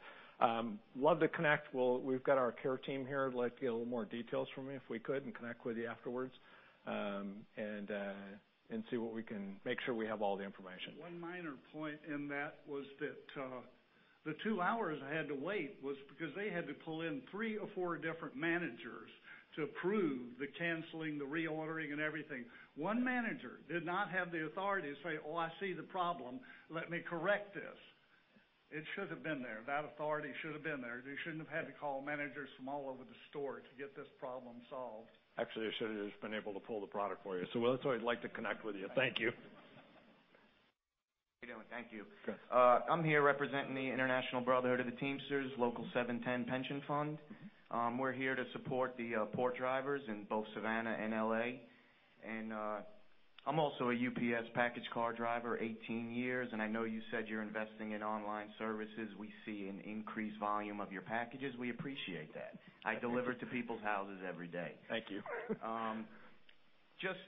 Love to connect. We've got our care team here, who'd like to get a little more details from you if we could and connect with you afterwards, and see what we can make sure we have all the information. One minor point in that was that the 2 hours I had to wait was because they had to pull in 3 or 4 different managers to approve the canceling, the reordering and everything. One manager did not have the authority to say, "Oh, I see the problem. Let me correct this." It should have been there. That authority should have been there. They shouldn't have had to call managers from all over the store to get this problem solved. Actually, they should have just been able to pull the product for you. That's why I'd like to connect with you. Thank you. How you doing? Thank you. Good. I'm here representing the International Brotherhood of Teamsters Local 710 pension fund. We're here to support the port drivers in both Savannah and L.A. I'm also a UPS package car driver, 18 years, and I know you said you're investing in online services. We see an increased volume of your packages. We appreciate that. I deliver to people's houses every day. Thank you. Just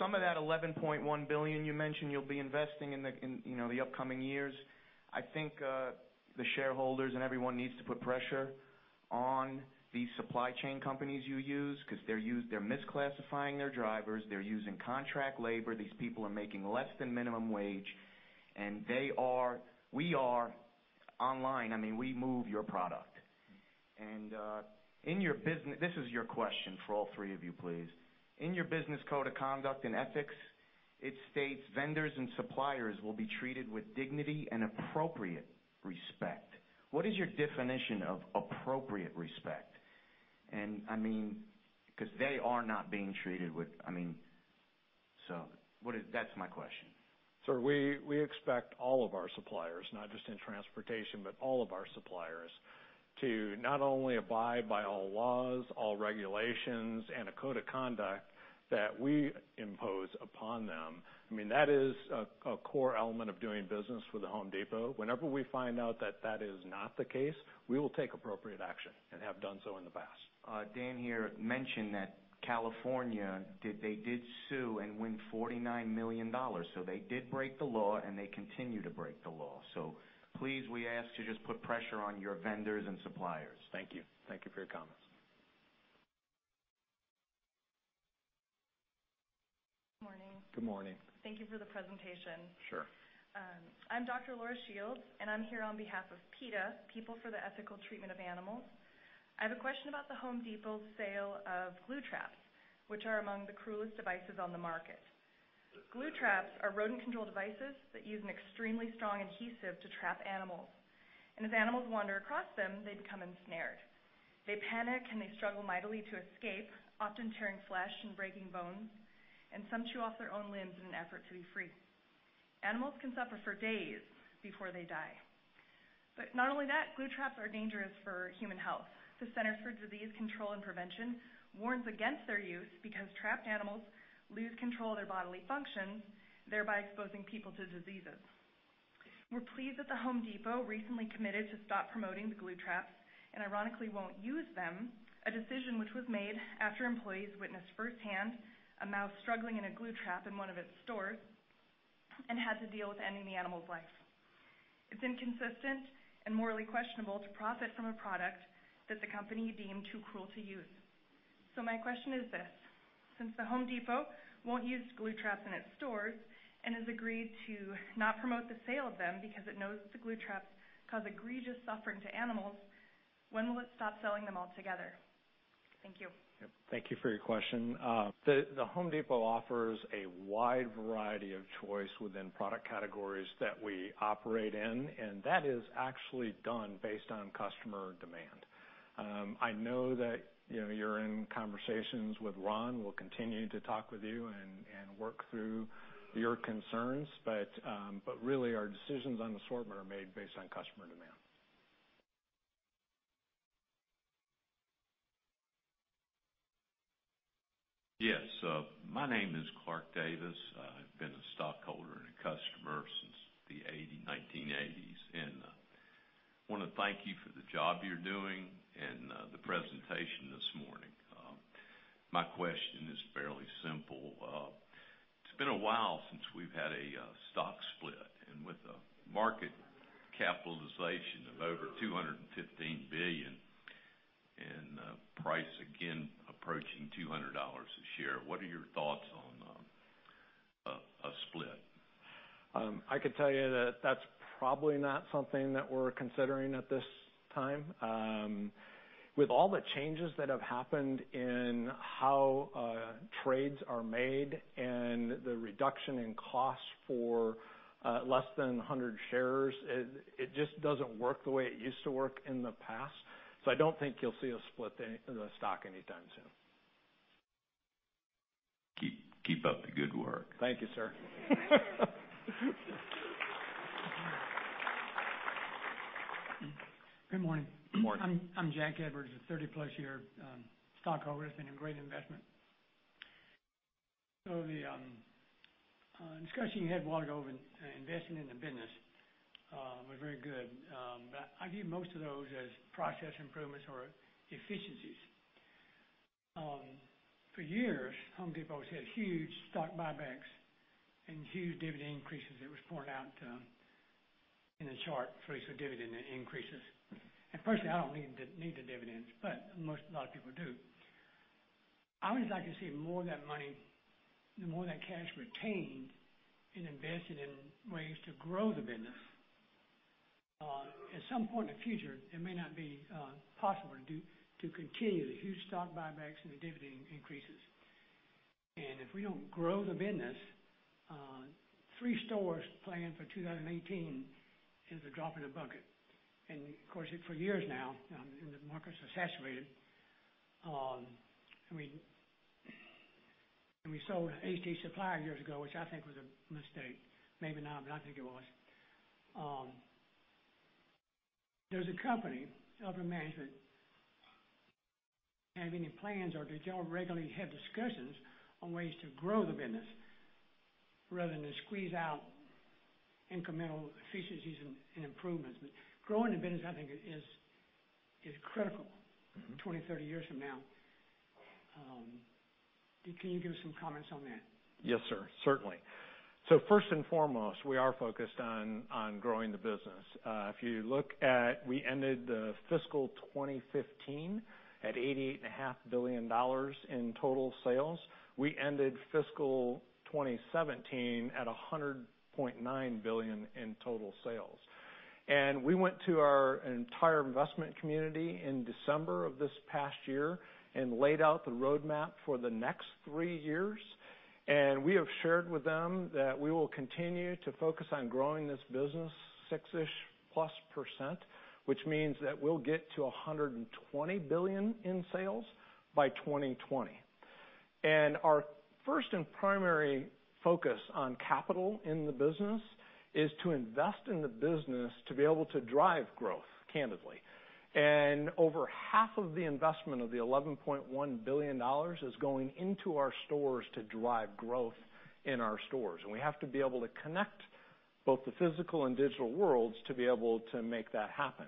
some of that $11.1 billion you mentioned you'll be investing in the upcoming years, I think the shareholders and everyone needs to put pressure on the supply chain companies you use because they're misclassifying their drivers. They're using contract labor. These people are making less than minimum wage. We are online. We move your product. This is your question for all three of you, please. In your business code of conduct and ethics, it states vendors and suppliers will be treated with dignity and appropriate respect. What is your definition of appropriate respect? That's my question. Sir, we expect all of our suppliers, not just in transportation, but all of our suppliers, to not only abide by all laws, all regulations, and a code of conduct that we impose upon them. That is a core element of doing business with The Home Depot. Whenever we find out that that is not the case, we will take appropriate action and have done so in the past. Dan here mentioned that California did sue and win $49 million. They did break the law, and they continue to break the law. Please, we ask to just put pressure on your vendors and suppliers. Thank you. Thank you for your comments. Good morning. Good morning. Thank you for the presentation. Sure. I'm Dr. Laura Shields, and I'm here on behalf of PETA, People for the Ethical Treatment of Animals. I have a question about The Home Depot's sale of glue traps, which are among the cruelest devices on the market. Glue traps are rodent control devices that use an extremely strong adhesive to trap animals, and as animals wander across them, they become ensnared. They panic, and they struggle mightily to escape, often tearing flesh and breaking bones, and some chew off their own limbs in an effort to be free. Animals can suffer for days before they die. Not only that, glue traps are dangerous for human health. The Centers for Disease Control and Prevention warns against their use because trapped animals lose control of their bodily functions, thereby exposing people to diseases. We're pleased that The Home Depot recently committed to stop promoting the glue traps and ironically won't use them, a decision which was made after employees witnessed firsthand a mouse struggling in a glue trap in one of its stores and had to deal with ending the animal's life. It's inconsistent and morally questionable to profit from a product that the company deemed too cruel to use. My question is this: Since The Home Depot won't use glue traps in its stores and has agreed to not promote the sale of them because it knows the glue traps cause egregious suffering to animals, when will it stop selling them altogether? Thank you. Thank you for your question. The Home Depot offers a wide variety of choice within product categories that we operate in. That is actually done based on customer demand. I know that you're in conversations with Ron. We'll continue to talk with you and work through your concerns. Really our decisions on assortment are made based on customer demand. Yes. My name is Clark Davis. I've been a stockholder and a customer since the 1980s. I want to thank you for the job you're doing and the presentation this morning. My question is fairly simple. It's been a while since we've had a stock split and with a market capitalization of over $215 billion and price again approaching $200 a share, what are your thoughts on a split? I could tell you that that's probably not something that we're considering at this time. With all the changes that have happened in how trades are made and the reduction in cost for less than 100 shares, it just doesn't work the way it used to work in the past. I don't think you'll see a split in the stock anytime soon. Keep up the good work. Thank you, sir. Good morning. Good morning. I'm Jack Edwards, a 30-plus year stockholder. It's been a great investment. The discussion you had, going over investing in the business was very good, but I view most of those as process improvements or efficiencies. For years, The Home Depot has had huge stock buybacks and huge dividend increases. It was pointed out in the chart, three dividend increases. Personally, I don't need the dividends, but a lot of people do. I would like to see more of that money, more of that cash retained and invested in ways to grow the business. At some point in the future, it may not be possible to continue the huge stock buybacks and the dividend increases. If we don't grow the business, three stores planned for 2018 is a drop in the bucket. Of course, for years now, the market's saturated. We sold HD Supply years ago, which I think was a mistake. Maybe not, but I think it was. Does the company, does upper management have any plans, or do you all regularly have discussions on ways to grow the business rather than to squeeze out incremental efficiencies and improvements? Growing the business, I think, is critical 20, 30 years from now. Can you give us some comments on that? Yes, sir. Certainly. First and foremost, we are focused on growing the business. If you look at, we ended the fiscal 2015 at $88.5 billion in total sales. We ended fiscal 2017 at $100.9 billion in total sales. We went to our entire investment community in December of this past year and laid out the roadmap for the next three years. We have shared with them that we will continue to focus on growing this business six-ish plus percent, which means that we'll get to $120 billion in sales by 2020. Our first and primary focus on capital in the business is to invest in the business to be able to drive growth, candidly. Over half of the investment of the $11.1 billion is going into our stores to drive growth in our stores. We have to be able to connect both the physical and digital worlds to be able to make that happen.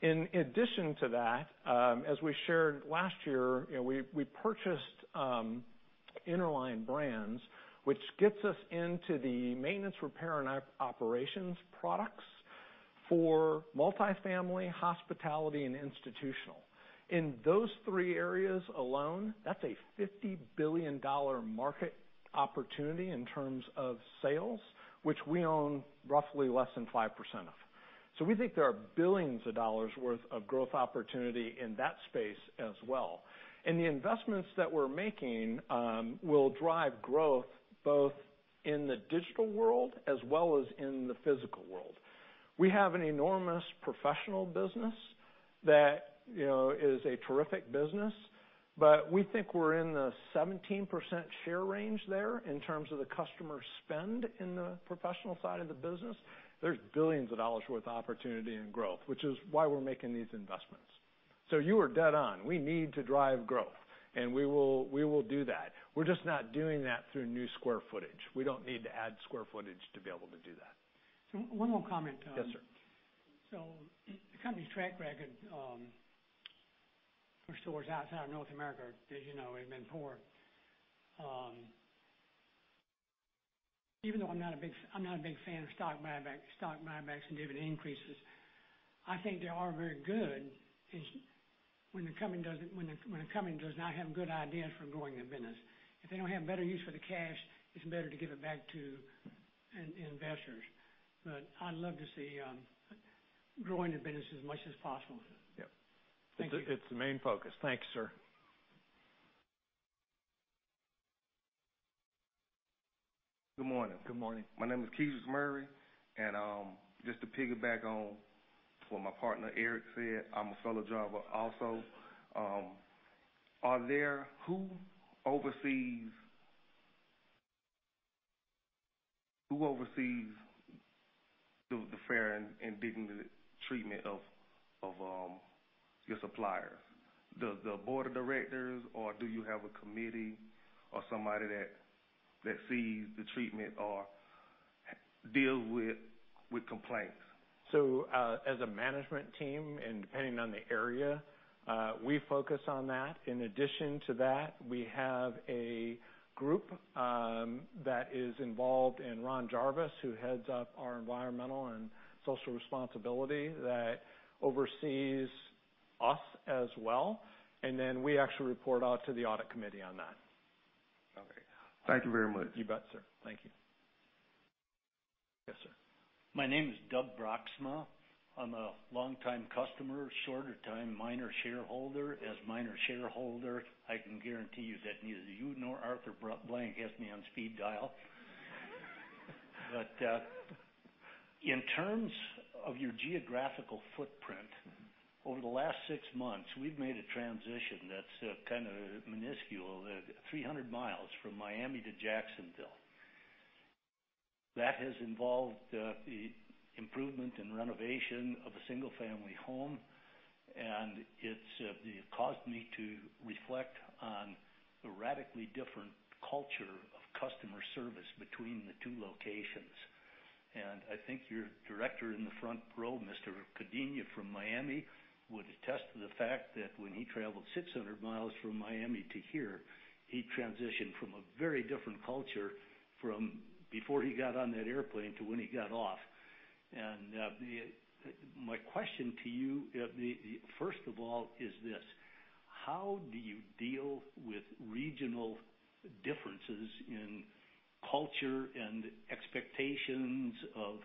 In addition to that, as we shared last year, we purchased Interline Brands, which gets us into the maintenance, repair, and operations products for multifamily, hospitality, and institutional. In those three areas alone, that's a $50 billion market opportunity in terms of sales, which we own roughly less than 5% of. We think there are billions of dollars' worth of growth opportunity in that space as well. The investments that we're making will drive growth both in the digital world as well as in the physical world. We have an enormous professional business that is a terrific business. But we think we're in the 17% share range there in terms of the customer spend in the professional side of the business. There's $ billions worth of opportunity and growth, which is why we're making these investments. You are dead on. We need to drive growth, and we will do that. We're just not doing that through new square footage. We don't need to add square footage to be able to do that. One more comment. Yes, sir. The company's track record for stores outside of North America, as you know, has been poor. Even though I'm not a big fan of stock buybacks and dividend increases, I think they are very good when the company does not have good ideas for growing their business. If they don't have a better use for the cash, it's better to give it back to investors. I'd love to see growing the business as much as possible. Yep. Thank you. It's the main focus. Thank you, sir. Good morning. Good morning. My name is Kedrix Murray. Just to piggyback on what my partner Eric said, I'm a fellow driver also. Who oversees the fair and dignity treatment of your suppliers? Does the board of directors, or do you have a committee or somebody that sees the treatment or deals with complaints? As a management team, depending on the area, we focus on that. In addition to that, we have a group that is involved, Ron Jarvis, who heads up our environmental and social responsibility, that oversees us as well. Then we actually report out to the audit committee on that. Okay. Thank you very much. You bet, sir. Thank you. Yes, sir. My name is Doug Broxma. I'm a longtime customer, shorter time minor shareholder. As a minor shareholder, I can guarantee you that neither you nor Arthur Blank has me on speed dial. In terms of your geographical footprint, over the last 6 months, we've made a transition that's kind of minuscule. 300 miles from Miami to Jacksonville. That has involved the improvement and renovation of a single-family home, and it's caused me to reflect on the radically different culture of customer service between the two locations. I think your director in the front row, Mr. Codina from Miami, would attest to the fact that when he traveled 600 miles from Miami to here, he transitioned from a very different culture from before he got on that airplane to when he got off. My question to you, first of all, is this: How do you deal with regional differences in culture and expectations of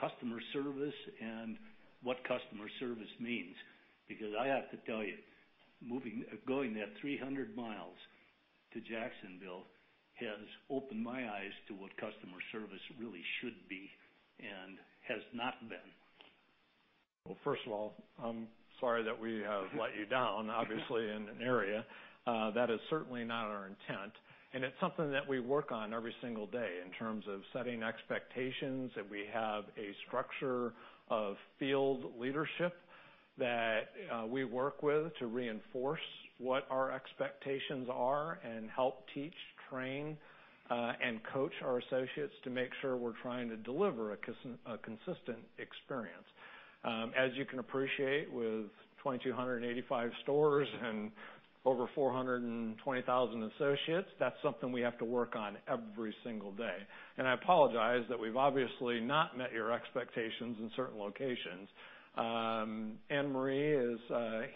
customer service and what customer service means? I have to tell you, going that 300 miles to Jacksonville has opened my eyes to what customer service really should be and has not been. Well, first of all, I'm sorry that we have let you down, obviously, in an area. That is certainly not our intent, and it's something that we work on every single day in terms of setting expectations, and we have a structure of field leadership that we work with to reinforce what our expectations are and help teach, train, and coach our associates to make sure we're trying to deliver a consistent experience. As you can appreciate, with 2,285 stores and over 420,000 associates, that's something we have to work on every single day. I apologize that we've obviously not met your expectations in certain locations. Ann-Marie is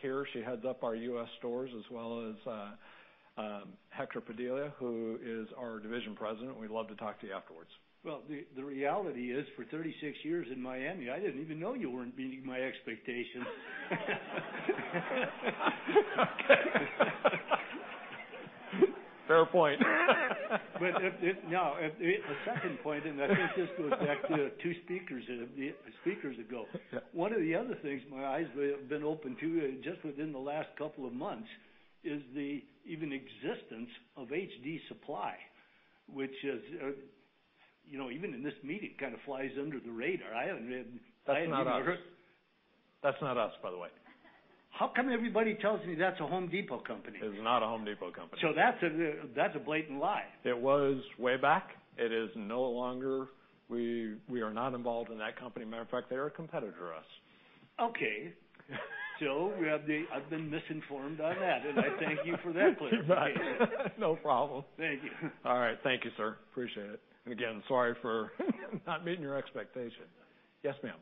here. She heads up our U.S. stores, as well as Hector Padilla, who is our division president. We'd love to talk to you afterwards. Well, the reality is, for 36 years in Miami, I didn't even know you weren't meeting my expectations. Fair point. Now, a second point, and I think this goes back to two speakers ago. Yeah. One of the other things my eyes have been opened to just within the last couple of months is the even existence of HD Supply, which is, even in this meeting, kind of flies under the radar. That's not us. That's not us, by the way. How come everybody tells me that's a Home Depot company? It is not a Home Depot company. That's a blatant lie. It was way back. It is no longer. We are not involved in that company. Matter of fact, they're a competitor to us. I've been misinformed on that, and I thank you for that clarification. No problem. Thank you. All right. Thank you, sir. Appreciate it. Again, sorry for not meeting your expectation. Yes, ma'am.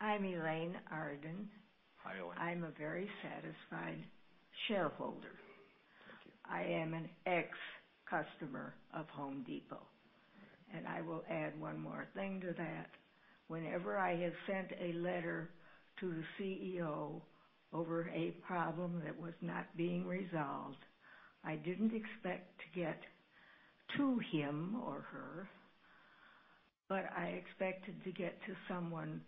I'm Ann-Marie Campbell. Hi, Ann-Marie. I'm a very satisfied shareholder. Thank you. I am an ex-customer of The Home Depot. Okay. I will add one more thing to that. Whenever I have sent a letter to the CEO over a problem that was not being resolved, I didn't expect to get to him or her, but I expected to get to someone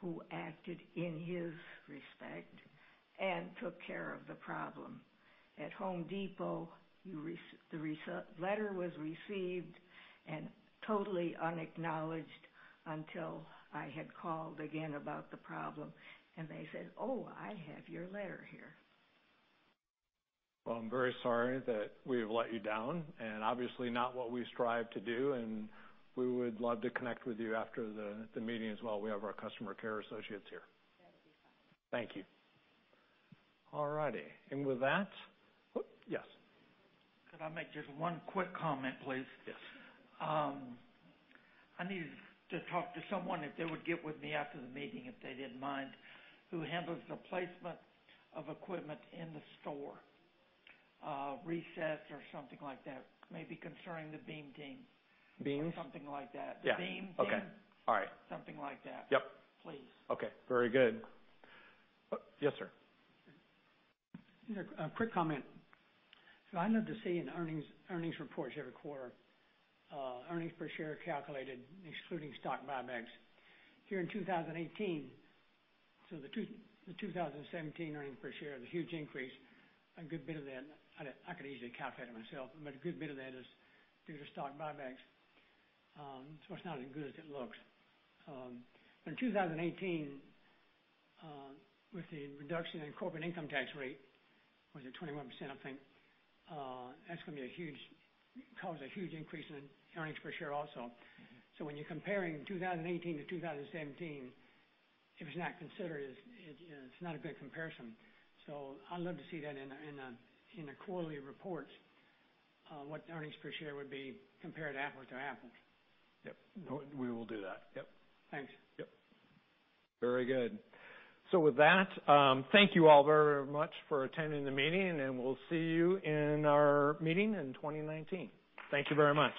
who acted in his respect and took care of the problem. At The Home Depot, the letter was received and totally unacknowledged until I had called again about the problem and they said, "Oh, I have your letter here. Well, I'm very sorry that we have let you down, and obviously not what we strive to do, and we would love to connect with you after the meeting as well. We have our customer care associates here. That would be fine. Thank you. All righty. With that Yes. Could I make just one quick comment, please? Yes. I need to talk to someone, if they would get with me after the meeting, if they didn't mind, who handles the placement of equipment in the store. Resets or something like that. Maybe concerning The Beam Team. Beams? Something like that. Yeah. The Beam Team. Okay. All right. Something like that. Yep. Please. Okay. Very good. Yes, sir. A quick comment. I love to see in earnings reports every quarter, earnings per share calculated excluding stock buybacks. Here in 2018, the 2017 earnings per share, the huge increase, a good bit of that I could easily calculate it myself, but a good bit of that is due to stock buybacks. It's not as good as it looks. In 2018, with the reduction in corporate income tax rate, was it 21%, I think, that's going to cause a huge increase in earnings per share also. When you're comparing 2018 to 2017, if it's not considered, it's not a good comparison. I'd love to see that in the quarterly reports, what the earnings per share would be compared apples to apples. Yep. We will do that. Yep. Thanks. Yep. Very good. With that, thank you all very much for attending the meeting, and we'll see you in our meeting in 2019. Thank you very much.